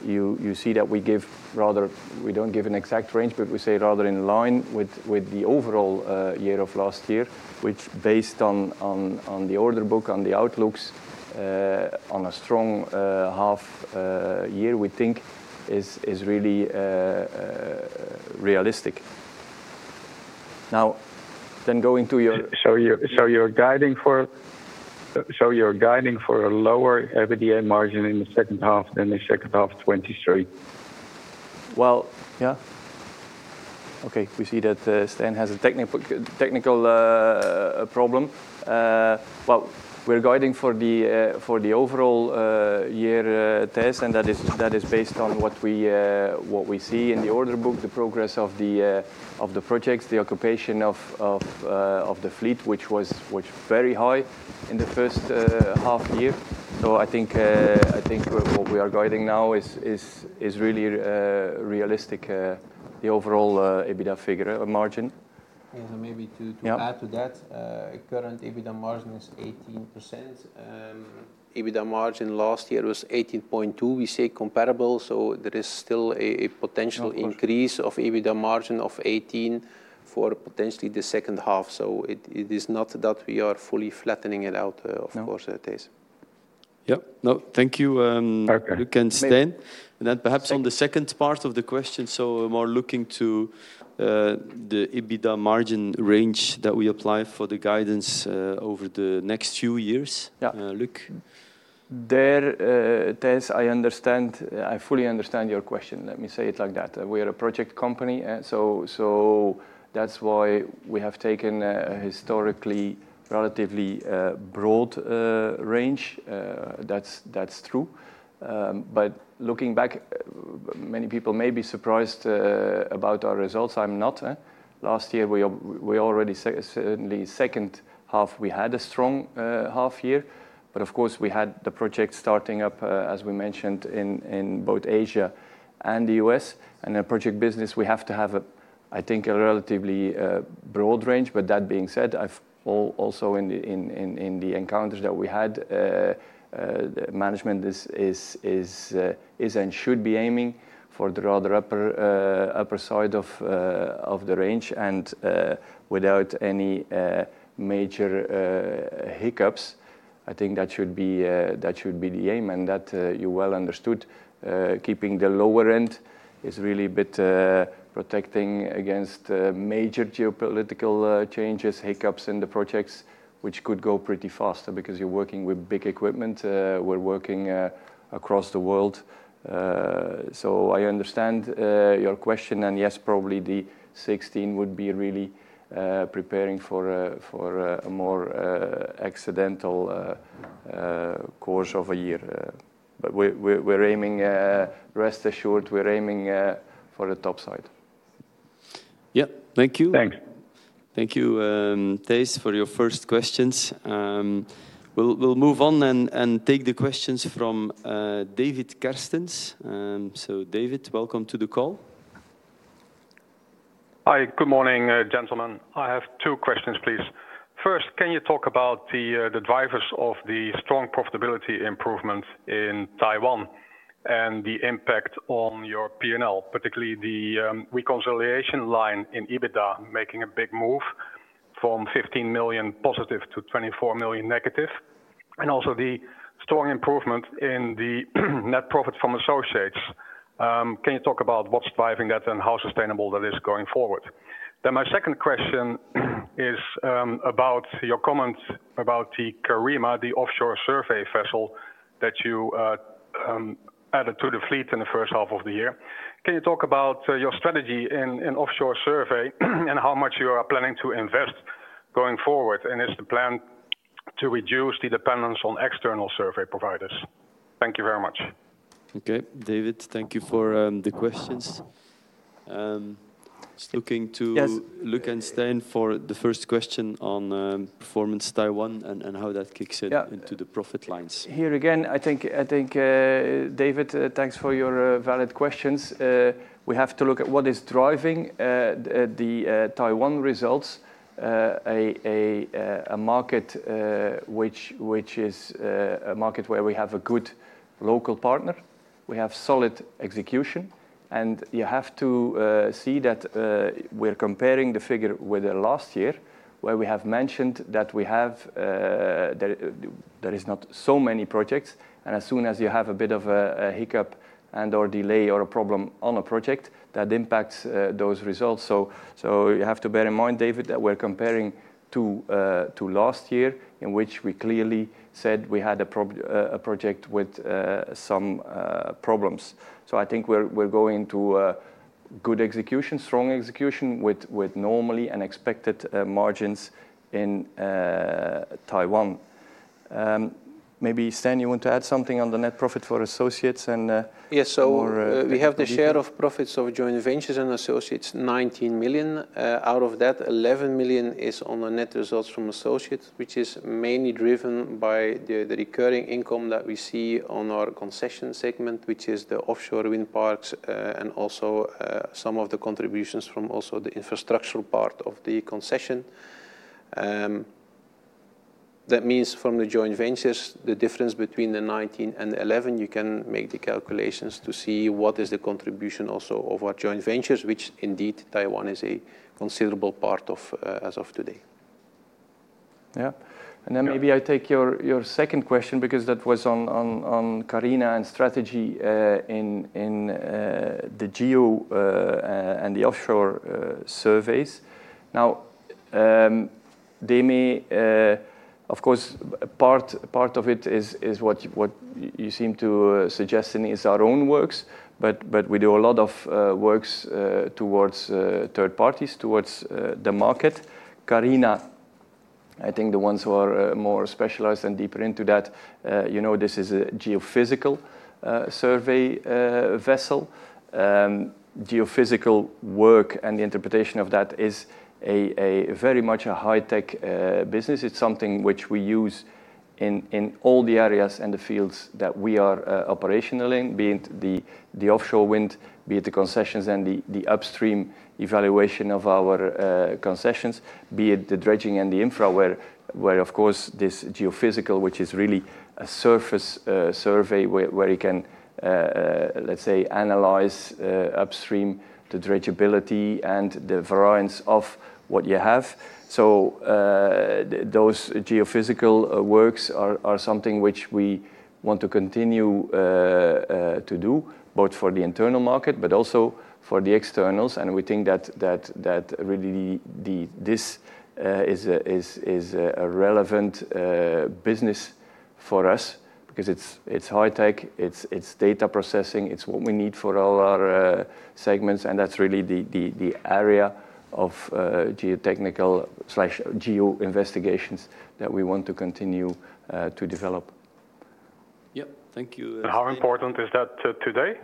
you see that we give rather... We don't give an exact range, but we say rather in line with the overall year of last year, which based on the order book, on the outlooks, on a strong half year, we think is really realistic. Now, then going to your- So you're guiding for a lower EBITDA margin in the second half than the second half of 2023? Yeah. Okay, we see that Stijn has a technical problem. We're guiding for the overall year, Thijs, and that is based on what we see in the order book, the progress of the projects, the occupation of the fleet, which was very high in the first half year. I think what we are guiding now is really realistic, the overall EBITDA figure or margin. Yeah, and maybe Yeah... to add to that, current EBITDA margin is 18%. EBITDA margin last year was 18.2%. We say comparable, so there is still a potential- Of course... increase of EBITDA margin of 18% for potentially the second half. So it, it is not that we are fully flattening it out- No... of course, it is. Yeah. No, thank you, Okay... Luc and Stijn. And then perhaps on the second part of the question, so more looking to the EBITDA margin range that we apply for the guidance over the next few years. Yeah. Uh, Luc? There, Thijs, I understand. I fully understand your question, let me say it like that. We are a project company, and so that's why we have taken a historically relatively broad range. That's true. But looking back, many people may be surprised about our results. I'm not. Last year, we already certainly second half, we had a strong half year. But of course, we had the project starting up as we mentioned in both Asia and the U.S. In a project business, we have to have a, I think, a relatively broad range. But that being said, I've also in the encounters that we had, management is and should be aiming for the rather upper side of the range, and without any major hiccups. I think that should be the aim, and that you well understood. Keeping the lower end is really a bit protecting against major geopolitical changes, hiccups in the projects, which could go pretty faster because you're working with big equipment. We're working across the world. So I understand your question, and yes, probably the sixteen would be really preparing for a more accidental course of a year. But we're aiming. Rest assured, we're aiming for the top side. Yeah. Thank you. Thank. Thank you, Thijs, for your first questions. We'll move on and take the questions from David Kerstens. David, welcome to the call. Hi, good morning, gentlemen. I have two questions, please. First, can you talk about the drivers of the strong profitability improvement in Taiwan and the impact on your P&L, particularly the reconciliation line in EBITDA, making a big move from fifteen million positive to twenty-four million negative, and also the strong improvement in the net profit from associates. Can you talk about what's driving that and how sustainable that is going forward? Then my second question is about your comment about the Karina, the offshore survey vessel that you added to the fleet in the first half of the year. Can you talk about your strategy in offshore survey and how much you are planning to invest going forward? And is the plan to reduce the dependence on external survey providers? Thank you very much. Okay, David, thank you for the questions. Just looking to- Yes... Luc and Stijn for the first question on performance Taiwan, and how that kicks in- Yeah... into the profit lines. Here again, I think, David, thanks for your valid questions. We have to look at what is driving the Taiwan results. A market which is a market where we have a good local partner. We have solid execution, and you have to see that we're comparing the figure with last year, where we have mentioned that we have. There is not so many projects, and as soon as you have a bit of a hiccup and/or delay or a problem on a project, that impacts those results. So you have to bear in mind, David, that we're comparing to last year, in which we clearly said we had a problem, a project with some problems. So I think we're going to a good execution, strong execution with normally and expected margins in Taiwan. Maybe, Stijn, you want to add something on the net profit for associates and Yes, so- More, deeper... we have the share of profits of joint ventures and associates, 19 million. Out of that, 11 million is on the net results from associates, which is mainly driven by the recurring income that we see on our concession segment, which is the offshore wind parks, and also some of the contributions from also the infrastructural part of the concession. That means from the joint ventures, the difference between the 19 and 11, you can make the calculations to see what is the contribution also of our joint ventures, which indeed, Taiwan is a considerable part of, as of today. Yeah. Yeah. Then maybe I take your second question because that was on Karina and strategy in the geo and the offshore surveys. Now, DEME... Of course, part of it is what you seem to suggest and is our own works, but we do a lot of works towards third parties, towards the market. Karina, I think the ones who are more specialized and deeper into that, you know, this is a geophysical survey vessel. Geophysical work and the interpretation of that is a very much a high-tech business. It's something which we use in all the areas and the fields that we are operational in, be it the offshore wind, be it the concessions and the upstream evaluation of our concessions, be it the dredging and the infra, where, of course, this geophysical, which is really a surface survey, where you can let's say, analyze upstream, the dredgeability and the variance of what you have. So, those geophysical works are something which we want to continue to do, both for the internal market, but also for the externals. And we think that really the this is a relevant business-... For us, because it's high tech, it's data processing, it's what we need for all our segments, and that's really the area of geotechnical/geo investigations that we want to continue to develop. Yep, thank you, Stijn. How important is that today?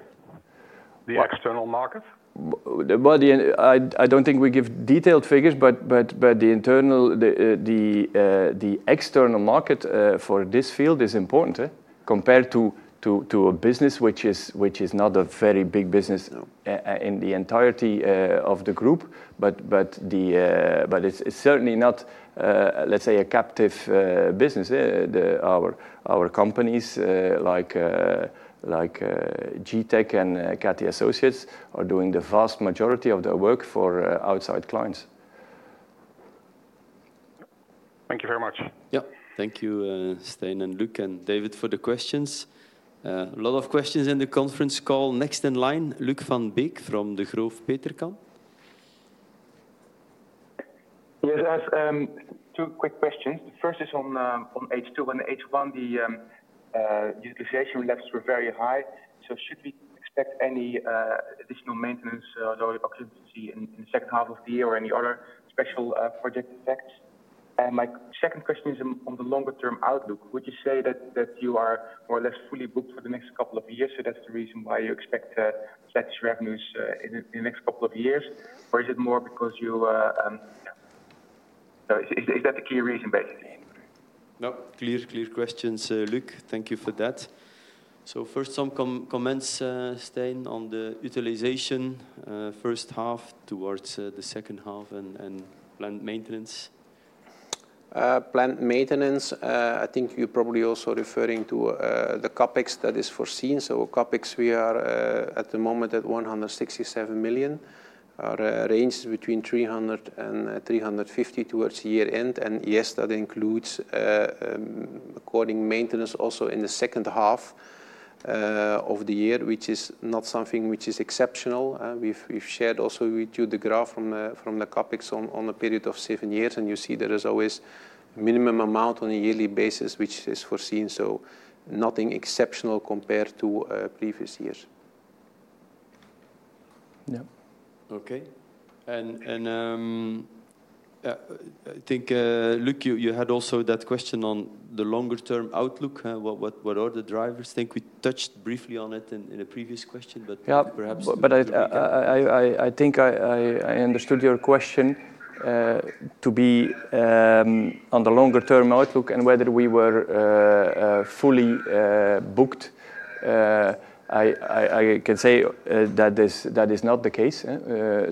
The external market. Well, I don't think we give detailed figures, but the internal - the external market for this field is important, eh? Compared to a business which is not a very big business in the entirety of the group. But it's certainly not, let's say, a captive business. Our companies, like G-tec and Cathie Associates, are doing the vast majority of their work for outside clients. Thank you very much. Yeah. Thank you, Stijn, and Luc, and David, for the questions. A lot of questions in the conference call. Next in line, Luuk van Beek from Degroof Petercam. Yes, two quick questions. The first is on H2. On H1, the utilization levels were very high, so should we expect any additional maintenance or low occupancy in the second half of the year or any other special project effects? And my second question is on the longer term outlook. Would you say that you are more or less fully booked for the next couple of years, so that's the reason why you expect such revenues in the next couple of years? Or is it more because you... So is that the key reason, basically? No clear questions, Luuk. Thank you for that. So first, some comments, Stijn, on the utilization, first half towards the second half and planned maintenance. Planned maintenance, I think you're probably also referring to the CapEx that is foreseen. So CapEx, we are at the moment at 167 million. Our range is between 300 million-350 million towards the year end. And yes, that includes according maintenance also in the second half of the year, which is not something which is exceptional. We've shared also with you the graph from the CapEx on a period of seven years, and you see there is always minimum amount on a yearly basis, which is foreseen. So nothing exceptional compared to previous years. Yeah. Okay. And I think, Luc, you had also that question on the longer term outlook, huh? What are the drivers? I think we touched briefly on it in a previous question, but- Yeah- Perhaps you could repeat. But I think I understood your question to be on the longer term outlook and whether we were fully booked. I can say that is not the case.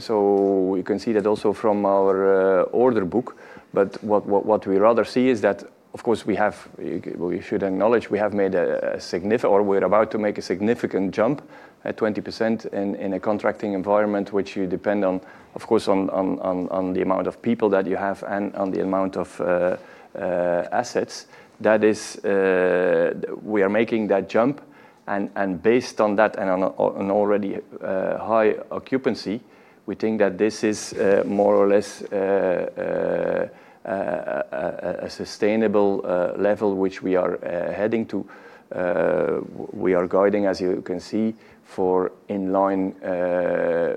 So you can see that also from our order book. But what we rather see is that, of course, we have... We should acknowledge, we have made a significant-- or we're about to make a significant jump at 20% in a contracting environment, which you depend on, of course, on the amount of people that you have and on the amount of assets. That is, we are making that jump, and based on that and on already high occupancy, we think that this is more or less a sustainable level which we are heading to. We are guiding, as you can see, for in line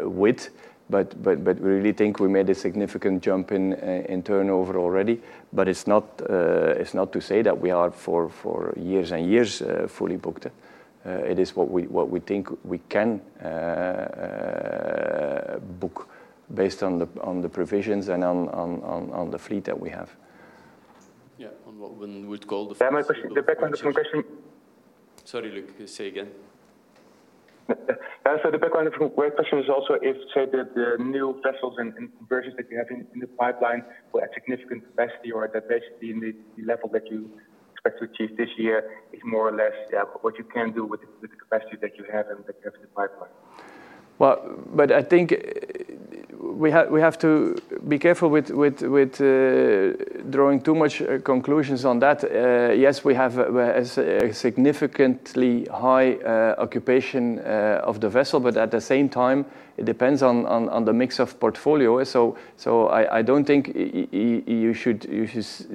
with, but we really think we made a significant jump in turnover already. But it's not to say that we are for years and years fully booked. It is what we think we can book based on the provisions and on the fleet that we have. Yeah, on what we would call the- The background of the question- Sorry, Luc. Say again. So the background of my question is also if, say, the new vessels and conversions that you have in the pipeline were a significant capacity or that capacity in the level that you expect to achieve this year is more or less what you can do with the capacity that you have and the capacity in the pipeline. I think we have to be careful with drawing too much conclusions on that. Yes, we have a significantly high occupation of the vessel, but at the same time, it depends on the mix of portfolio, so I don't think you should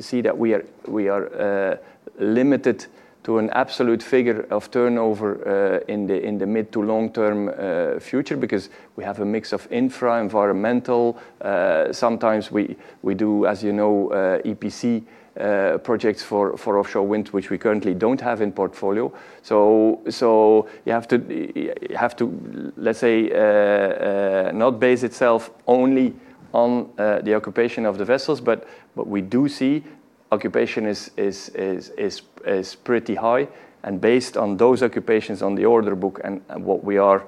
see that we are limited to an absolute figure of turnover in the mid to long-term future, because we have a mix of infra, environmental. Sometimes we do, as you know, EPC projects for offshore wind, which we currently don't have in portfolio. You have to, let's say, not base itself only on the occupation of the vessels, but what we do see, occupation is pretty high. And based on those occupations on the order book and what we are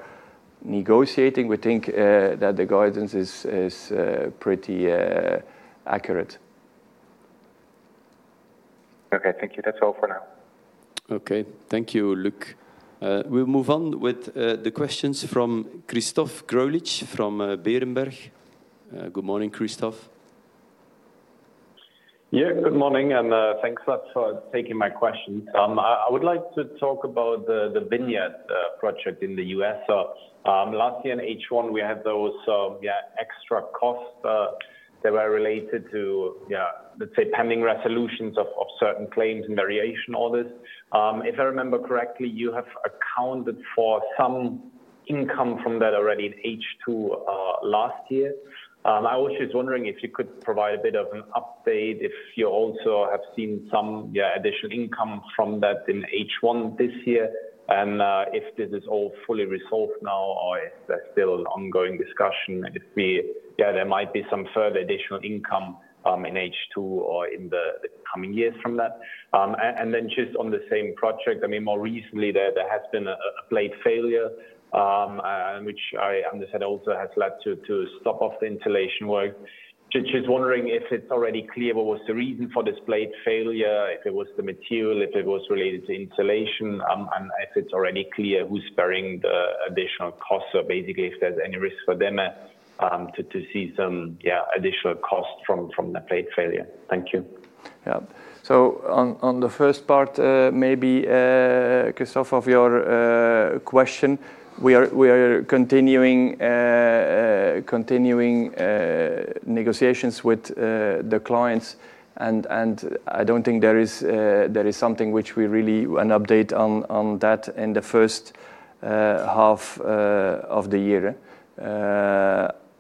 negotiating, we think that the guidance is pretty accurate. Okay, thank you. That's all for now. Okay. Thank you, Luuk. We'll move on with the questions from Christoph Greulich from Berenberg. Good morning, Christoph. Yeah, good morning, and thanks a lot for taking my question. I would like to talk about the Vineyard project in the U.S. So, last year in H1, we had those extra costs. They were related to, yeah, let's say, pending resolutions of certain claims and variation orders. If I remember correctly, you have accounted for some income from that already in H2 last year. I was just wondering if you could provide a bit of an update, if you also have seen some additional income from that in H1 this year, and if this is all fully resolved now, or if there's still ongoing discussion. Yeah, there might be some further additional income in H2 or in the coming years from that. And then just on the same project, I mean, more recently, there has been a blade failure, and which I understand also has led to stop off the installation work. Just wondering if it's already clear what was the reason for this blade failure, if it was the material, if it was related to installation, and if it's already clear who's bearing the additional costs. So basically, if there's any risk for them to see some yeah additional costs from the blade failure. Thank you. Yeah. So on the first part, maybe because of your question, we are continuing negotiations with the clients, and I don't think there is something which we really... an update on that in the first half of the year.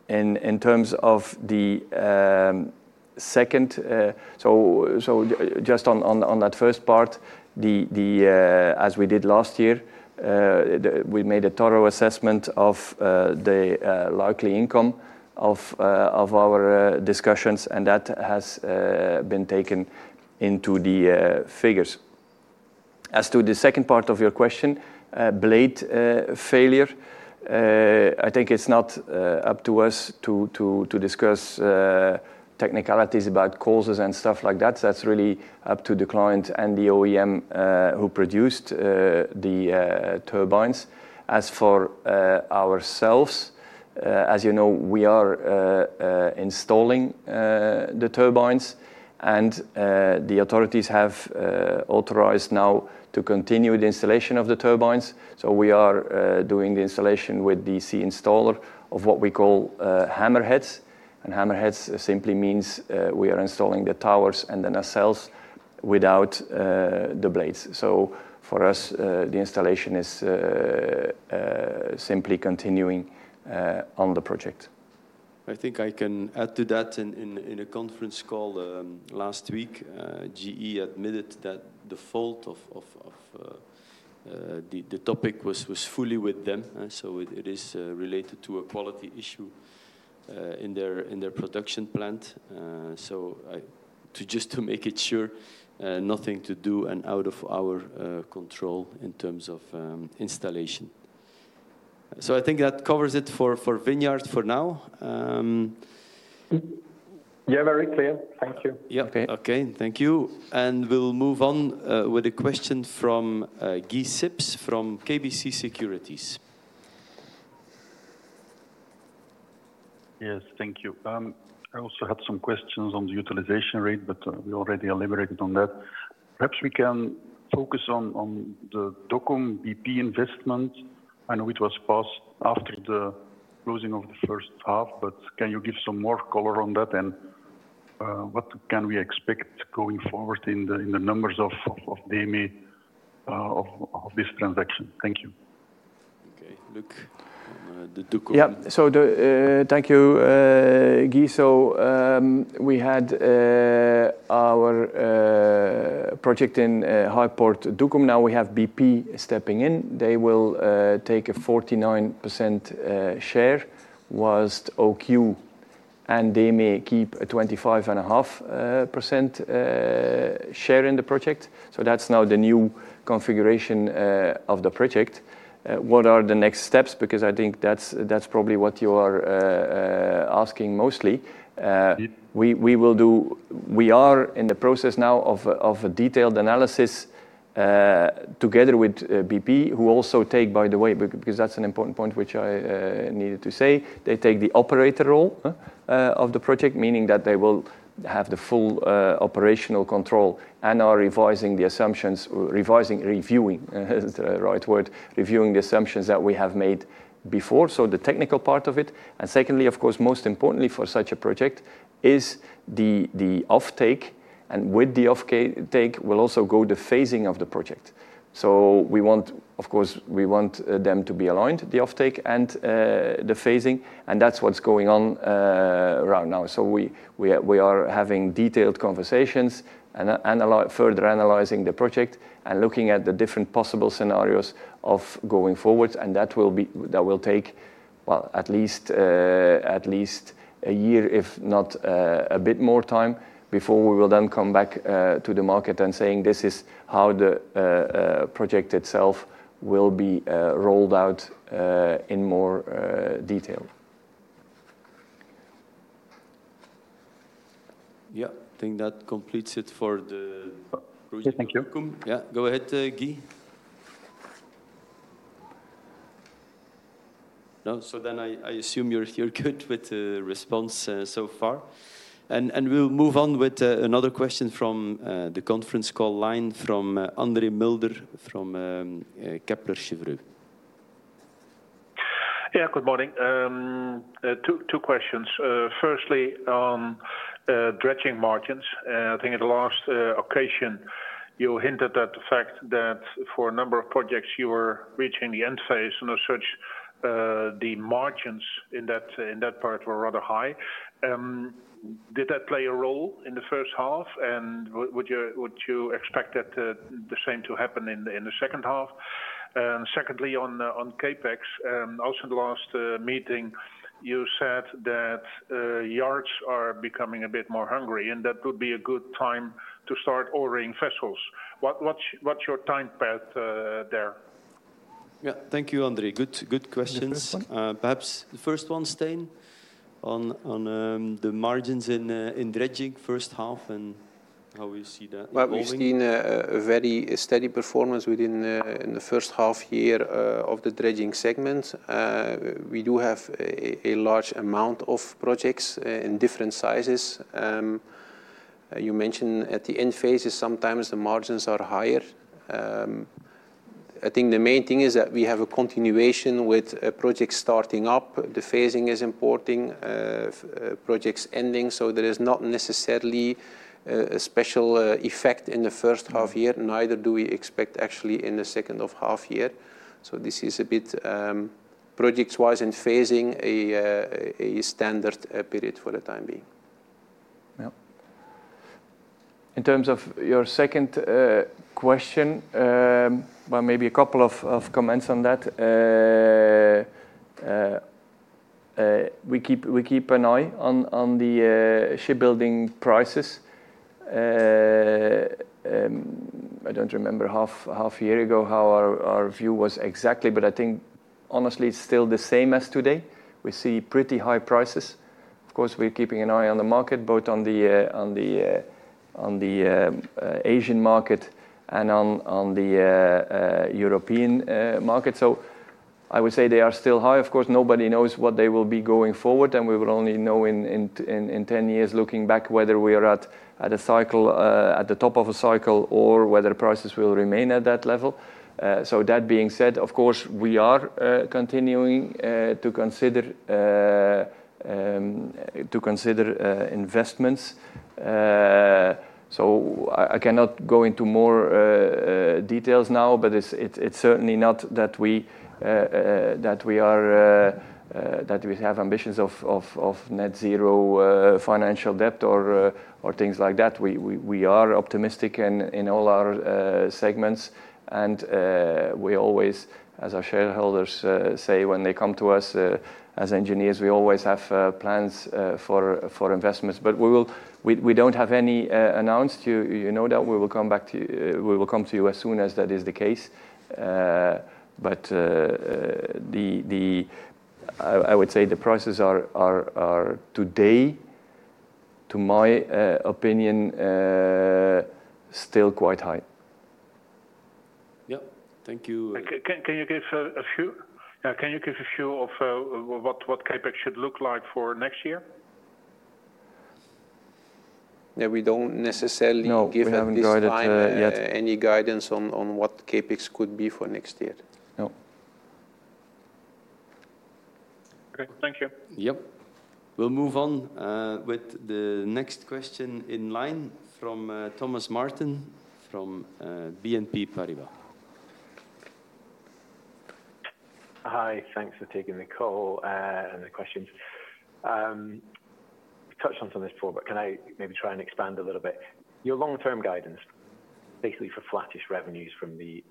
In terms of the second... So just on that first part, as we did last year, we made a thorough assessment of the likely income of our discussions, and that has been taken into the figures. As to the second part of your question, blade failure, I think it's not up to us to discuss technicalities about causes and stuff like that. That's really up to the client and the OEM who produced the turbines. As for ourselves, as you know, we are installing the turbines, and the authorities have authorized now to continue the installation of the turbines. So we are doing the installation with the Sea Installer of what we call hammerheads. And hammerheads simply means we are installing the towers and the nacelles without the blades. So for us, the installation is simply continuing on the project. I think I can add to that. In a conference call last week, GE admitted that the fault of the topic was fully with them, eh? So it is related to a quality issue in their production plant. So, to just make it sure, nothing to do and out of our control in terms of installation. I think that covers it for Vineyard for now. Yeah, very clear. Thank you. Yeah. Okay, thank you. And we'll move on with a question from Guy Sips from KBC Securities. Yes, thank you. I also had some questions on the utilization rate, but we already elaborated on that. Perhaps we can focus on the Duqm BP investment. I know it was passed after the closing of the first half, but can you give some more color on that? And what can we expect going forward in the numbers of DEME of this transaction? Thank you. Okay, look, on the Duqm. Yeah. So the... Thank you, Guy. So, we had our project in HYPORT Duqm. Now we have BP stepping in. They will take a 49% share, while OQ and DEME keep a 25.5% share in the project. So that's now the new configuration of the project. What are the next steps? Because I think that's probably what you are asking mostly. Yep. We are in the process now of a detailed analysis together with BP, who also take, by the way, because that's an important point which I needed to say, they take the operator role of the project, meaning that they will have the full operational control and are reviewing the assumptions that we have made before, so the technical part of it. And secondly, of course, most importantly, for such a project is the offtake, and with the offtake will also go the phasing of the project. So we want. Of course, we want them to be aligned, the offtake and the phasing, and that's what's going on right now. We are having detailed conversations and a lot further analyzing the project and looking at the different possible scenarios of going forward, and that will take well at least a year, if not a bit more time, before we will then come back to the market and saying, "This is how the project itself will be rolled out in more detail. Yeah, I think that completes it for the- Yeah, thank you. Yeah, go ahead, Guy. No, so then I assume you're good with the response so far. And we'll move on with another question from the conference call line from André Mulder from Kepler Cheuvreux.... Yeah, good morning. Two questions. Firstly, dredging margins. I think at the last occasion, you hinted at the fact that for a number of projects you were reaching the end phase, and as such, the margins in that part were rather high. Did that play a role in the first half? And would you expect that the same to happen in the second half? And secondly, on CapEx, also in the last meeting, you said that yards are becoming a bit more hungry, and that would be a good time to start ordering vessels. What's your time path there? Yeah. Thank you, André. Good, good questions. The first one? Perhaps the first one, Stijn, on the margins in dredging first half, and how we see that evolving. We've seen a very steady performance within in the first half year of the dredging segment. We do have a large amount of projects in different sizes. You mentioned at the end phases, sometimes the margins are higher. I think the main thing is that we have a continuation with projects starting up. The phasing is important, projects ending, so there is not necessarily a special effect in the first half year, neither do we expect actually in the second half year. This is a bit projects-wise and phasing a standard period for the time being. Yeah. In terms of your second question, well, maybe a couple of comments on that. We keep an eye on the shipbuilding prices. I don't remember half year ago how our view was exactly, but I think honestly, it's still the same as today. We see pretty high prices. Of course, we're keeping an eye on the market, both on the Asian market and on the European market. So I would say they are still high. Of course, nobody knows what they will be going forward, and we will only know in ten years, looking back, whether we are at the top of a cycle or whether prices will remain at that level. So that being said, of course, we are continuing to consider investments. So I cannot go into more details now, but it's certainly not that we have ambitions of net zero financial debt or things like that. We are optimistic in all our segments, and we always, as our shareholders say, when they come to us as engineers, we always have plans for investments. But we don't have any announced. You know that we will come back to you as soon as that is the case. But the prices are today, to my opinion, still quite high. Yeah. Thank you. Can you give a few of what CapEx should look like for next year? Yeah, we don't necessarily give- No, we haven't guided yet.... any guidance on what CapEx could be for next year? No. Okay. Thank you. Yep. We'll move on with the next question in line from Thomas Martin, from BNP Paribas. Hi. Thanks for taking the call, and the questions. Touched on some of this before, but can I maybe try and expand a little bit? Your long-term guidance, basically for flattish revenues from the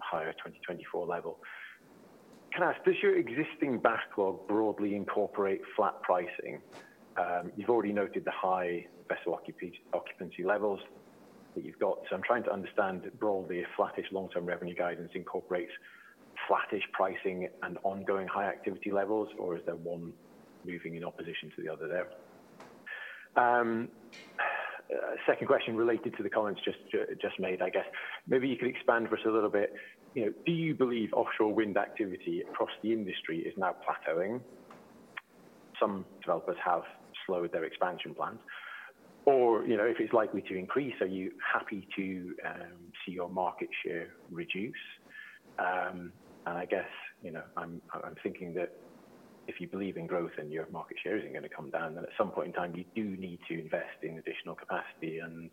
higher twenty twenty-four level. Can I ask, does your existing backlog broadly incorporate flat pricing? You've already noted the high vessel occupancy levels that you've got. So I'm trying to understand broadly, if flattish long-term revenue guidance incorporates flattish pricing and ongoing high activity levels, or is there one moving in opposition to the other there? Second question related to the comments just made, I guess. Maybe you could expand for us a little bit. You know, do you believe offshore wind activity across the industry is now plateauing? Some developers have slowed their expansion plans. Or, you know, if it's likely to increase, are you happy to see your market share reduce? And I guess, you know, I'm thinking that if you believe in growth and your market share isn't gonna come down, then at some point in time, you do need to invest in additional capacity, and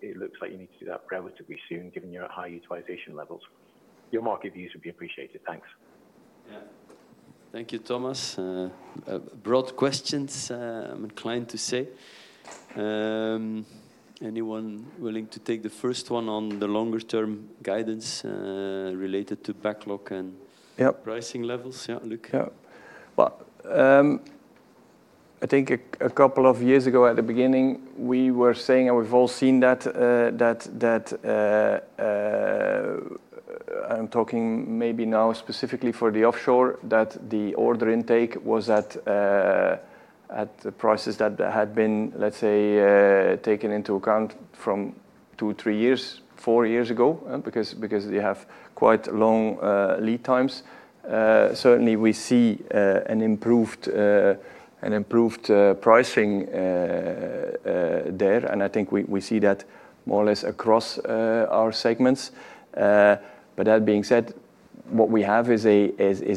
it looks like you need to do that relatively soon, given your high utilization levels. Your market views would be appreciated. Thanks. Yeah. Thank you, Thomas. Broad questions, I'm inclined to say. Anyone willing to take the first one on the longer-term guidance related to backlog and- Yeah... pricing levels? Yeah, Luc. Yeah. Well, I think a couple of years ago, at the beginning, we were saying, and we've all seen that, I'm talking maybe now specifically for the offshore, that the order intake was at the prices that had been, let's say, taken into account from two, three years, four years ago, because you have quite long lead times. Certainly, we see an improved pricing there, and I think we see that more or less across our segments. But that being said,... what we have is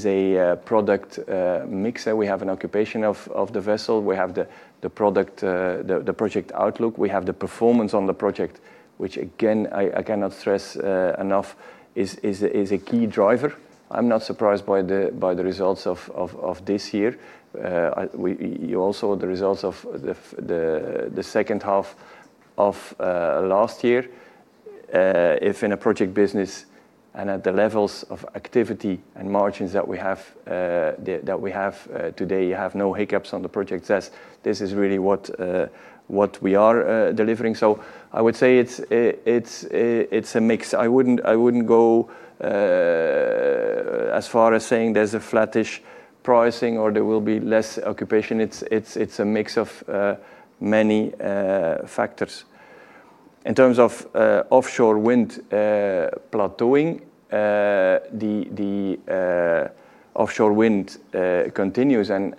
a product mixer. We have an occupation of the vessel. We have the product, the project outlook. We have the performance on the project, which again, I cannot stress enough, is a key driver. I'm not surprised by the results of this year. I-- we-- you also the results of the f- the second half of last year. If in a project business and at the levels of activity and margins that we have today, you have no hiccups on the project test. This is really what we are delivering. I would say it's a mix. I wouldn't go as far as saying there's a flattish pricing or there will be less occupation. It's a mix of many factors. In terms of offshore wind plateauing, the offshore wind continues and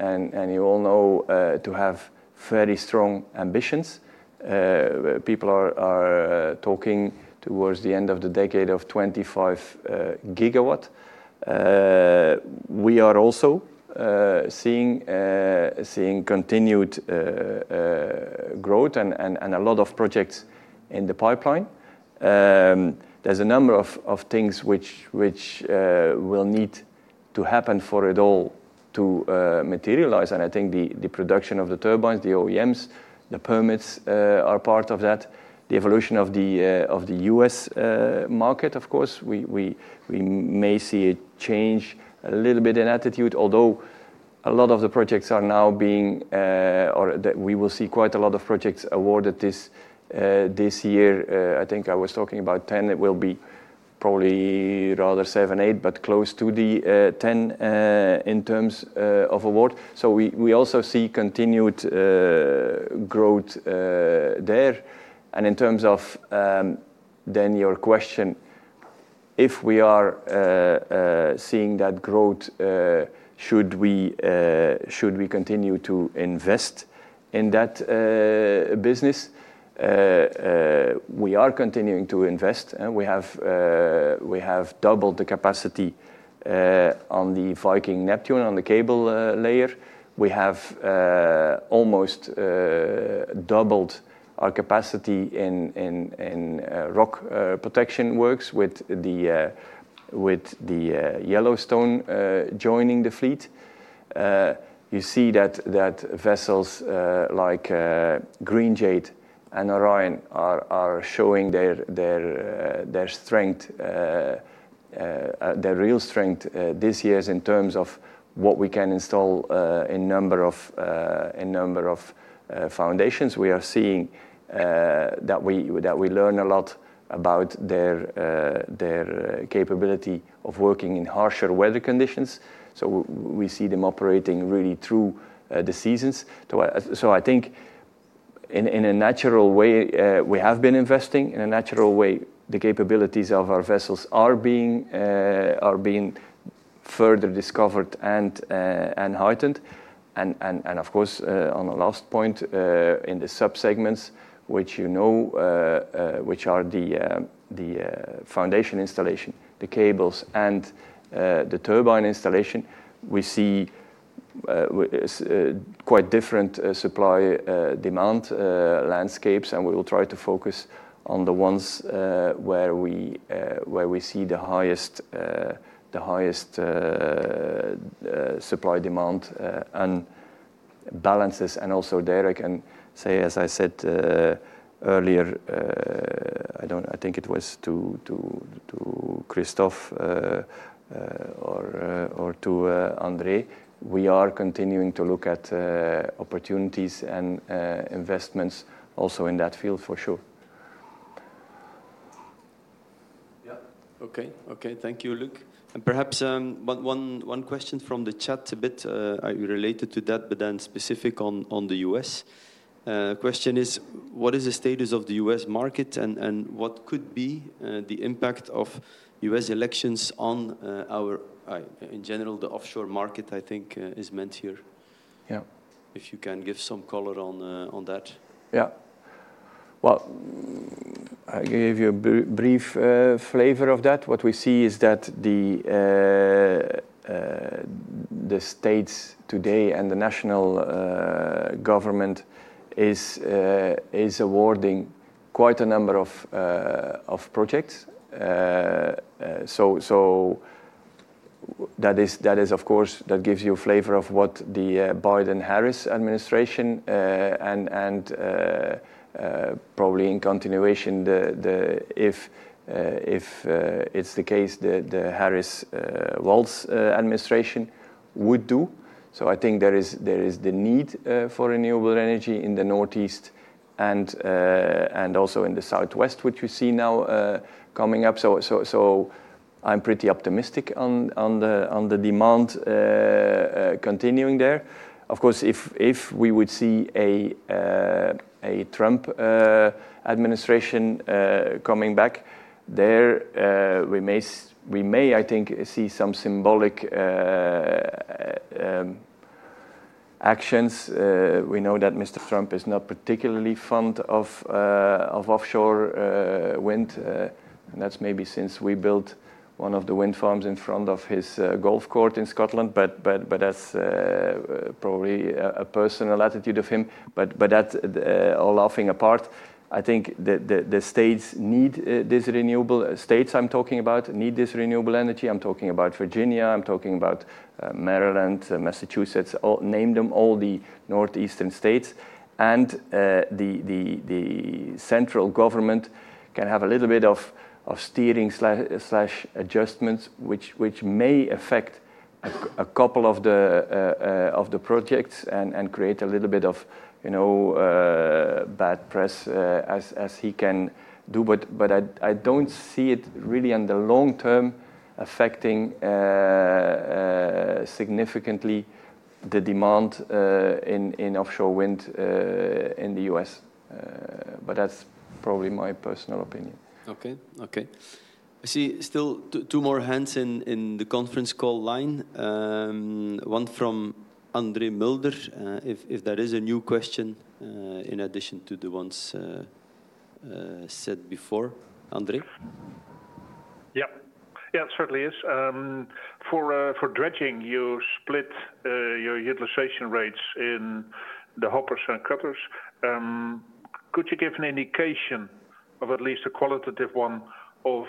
you all know to have fairly strong ambitions. People are talking towards the end of the decade of 25 GW. We are also seeing continued growth and a lot of projects in the pipeline. There's a number of things which will need to happen for it all to materialize, and I think the production of the turbines, the OEMs, the permits are part of that. The evolution of the U.S. market, of course, we may see a change a little bit in attitude, although a lot of the projects are now being or that we will see quite a lot of projects awarded this year. I think I was talking about ten. It will be probably rather seven, eight, but close to the ten in terms of award. So we also see continued growth there. And in terms of then your question, if we are seeing that growth, should we continue to invest in that business? We are continuing to invest, and we have doubled the capacity on the Viking Neptune, on the cable layer. We have almost doubled our capacity in rock protection works with the Yellowstone joining the fleet. You see that vessels like Green Jade and Orion are showing their strength, their real strength this year in terms of what we can install in number of foundations. We are seeing that we learn a lot about their capability of working in harsher weather conditions. So we see them operating really through the seasons. So I think in a natural way we have been investing. In a natural way, the capabilities of our vessels are being further discovered and heightened. Of course, on the last point, in the sub-segments, which, you know, which are the foundation installation, the cables, and the turbine installation, we see quite different supply demand landscapes, and we will try to focus on the ones where we see the highest supply demand and balances. Also, there I can say, as I said earlier, I think it was to Christoph or to André, we are continuing to look at opportunities and investments also in that field, for sure. Yeah. Okay, okay. Thank you, Luc. And perhaps one question from the chat, a bit related to that, but then specific on the US. Question is, what is the status of the US market, and what could be the impact of US elections on our in general the offshore market, I think is meant here? Yeah. If you can give some color on that. Yeah. Well, I gave you a brief flavor of that. What we see is that the states today and the national government is awarding quite a number of projects. So that is, of course, that gives you a flavor of what the Biden-Harris administration and probably in continuation, the... if it's the case, the Harris-Walz administration would do. So I think there is the need for renewable energy in the Northeast and also in the Southwest, which we see now coming up. So I'm pretty optimistic on the demand continuing there. Of course, if we would see a Trump administration coming back there, we may, I think, see some symbolic actions. We know that Mr. Trump is not particularly fond of offshore wind. And that's maybe since we built one of the wind farms in front of his golf course in Scotland. But that's probably a personal attitude of him. But that, all laughing apart, I think the states need this renewable. States I'm talking about, need this renewable energy. I'm talking about Virginia, I'm talking about Maryland, Massachusetts, all, name them, all the northeastern states. And, the central government can have a little bit of steering slash adjustments, which may affect a couple of the projects and create a little bit of, you know, bad press, as he can do. But I don't see it really, in the long term, affecting significantly the demand in offshore wind in the U.S. But that's probably my personal opinion. Okay. I see still two more hands in the conference call line. One from André Mulder. If there is a new question in addition to the ones said before. André? Yeah. Yeah, it certainly is. For dredging, you split your utilization rates in the hoppers and cutters. Could you give an indication of at least a qualitative one of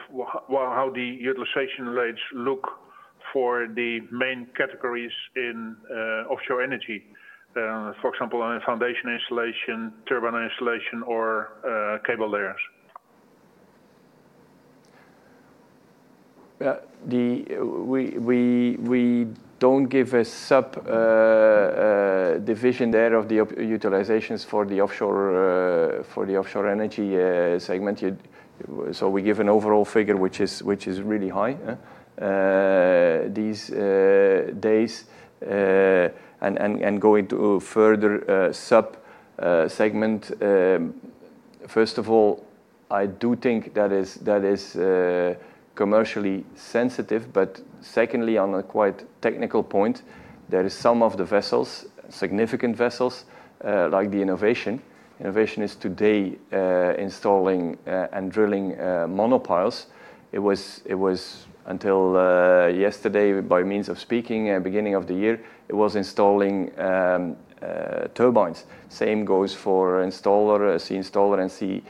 how the utilization rates look for the main categories in offshore energy? For example, on a foundation installation, turbine installation, or cable layers. Yeah, the... We don't give a subdivision there of the utilizations for the offshore energy segment. You-- So we give an overall figure, which is really high these days. And going to a further sub segment, first of all, I do think that is commercially sensitive. But secondly, on a quite technical point, there is some of the vessels, significant vessels like the Innovation. Innovation is today installing and drilling monopiles. It was until yesterday, by means of speaking, at beginning of the year, it was installing turbines. Same goes for installer, Sea Installer and Sea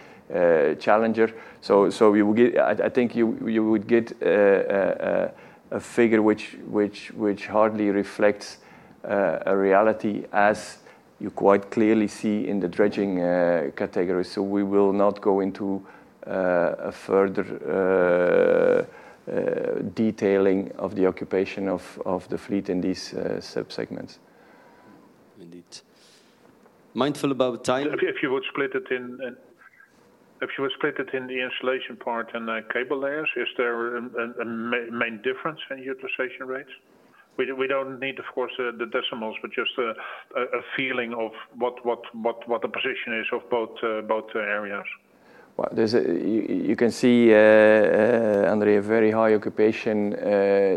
Challenger. So we will get... I think you would get a figure which hardly reflects a reality, as you quite clearly see in the dredging category. So we will not go into a further detailing of the occupation of the fleet in these sub-segments. Indeed. Mindful about time- If you would split it in the installation part and the cable layers, is there a main difference in utilization rates? We don't need, of course, the decimals, but just a feeling of what the position is of both areas. You can see, André, a very high occupation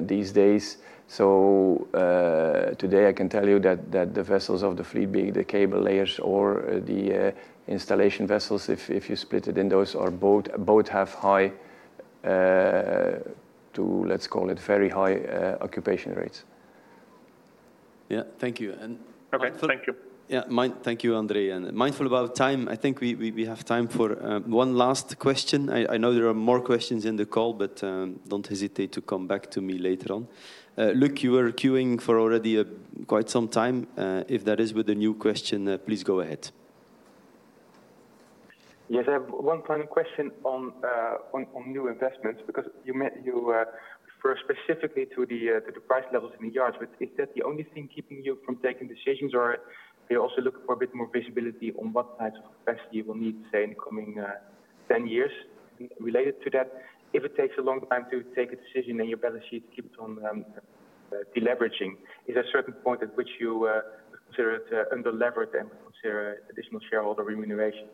these days. Today, I can tell you that the vessels of the fleet, be it the cable layers or the installation vessels, if you split it in those, both have high, too, let's call it, very high occupation rates. Yeah. Thank you, and- Okay. Thank you. Yeah. Thank you, André. Mindful about time, I think we have time for one last question. I know there are more questions in the call, but don't hesitate to come back to me later on. Luuk, you were queuing for already quite some time. If that is with a new question, please go ahead. Yes, I have one final question on new investments, because you refer specifically to the price levels in the yards. But is that the only thing keeping you from taking decisions, or are you also looking for a bit more visibility on what types of capacity you will need, say, in the coming ten years? Related to that, if it takes a long time to take a decision and your balance sheet keeps on deleveraging, is there a certain point at which you consider to under lever it and consider additional shareholder remuneration?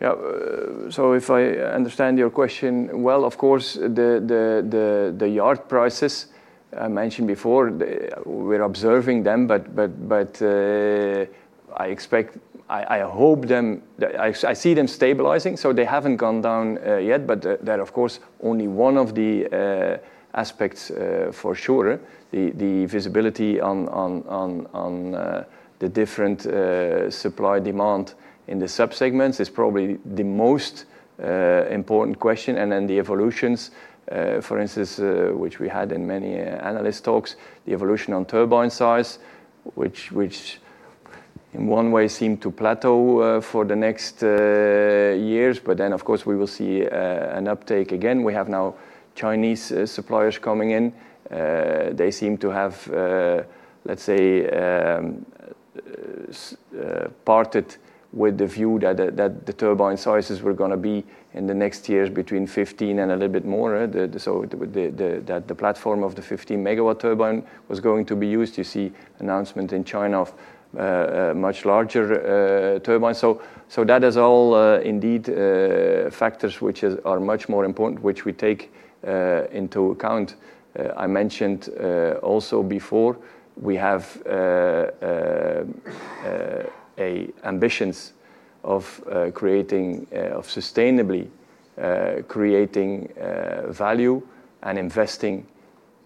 Yeah, so if I understand your question well, of course, the yard prices I mentioned before, they... We're observing them, but, I expect-- I hope them... I see them stabilizing, so they haven't gone down yet. But that, of course, only one of the aspects, for sure. The visibility on the different supply-demand in the sub-segments is probably the most important question, and then the evolutions, for instance, which we had in many analyst talks, the evolution on turbine size, which, in one way, seemed to plateau for the next years. But then, of course, we will see an uptake again. We have now Chinese suppliers coming in. They seem to have, let's say, parted with the view that the turbine sizes were gonna be in the next years between 15 and a little bit more, that the platform of the 15 MW turbine was going to be used. You see announcements in China of much larger turbines. That is all, indeed, factors which are much more important, which we take into account. I mentioned also before, we have ambitions of sustainably creating value and investing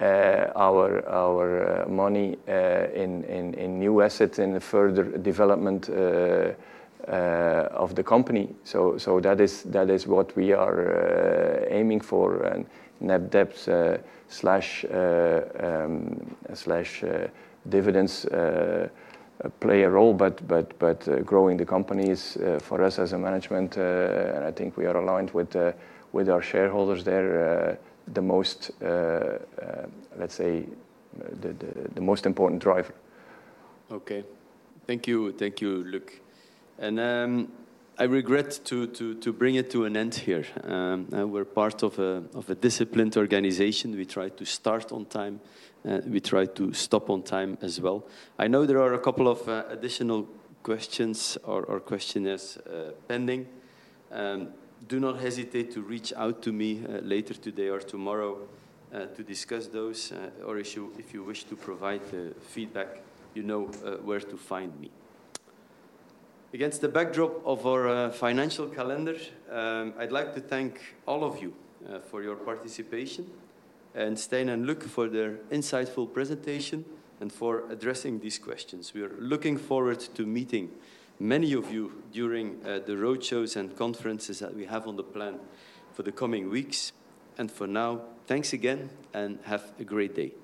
our money in new assets in the further development of the company. That is what we are aiming for. Net debt slash dividends play a role, but growing the company is for us as a management, and I think we are aligned with our shareholders. They're the most, let's say, the most important driver. Okay. Thank you. Thank you, Luke. And I regret to bring it to an end here. We're part of a disciplined organization. We try to start on time, we try to stop on time as well. I know there are a couple of additional questions or questionnaires pending. Do not hesitate to reach out to me, later today or tomorrow, to discuss those, or if you wish to provide feedback, you know, where to find me. Against the backdrop of our financial calendar, I'd like to thank all of you, for your participation, and Stijn and Luc for their insightful presentation and for addressing these questions. We are looking forward to meeting many of you during the road shows and conferences that we have on the plan for the coming weeks. And for now, thanks again, and have a great day.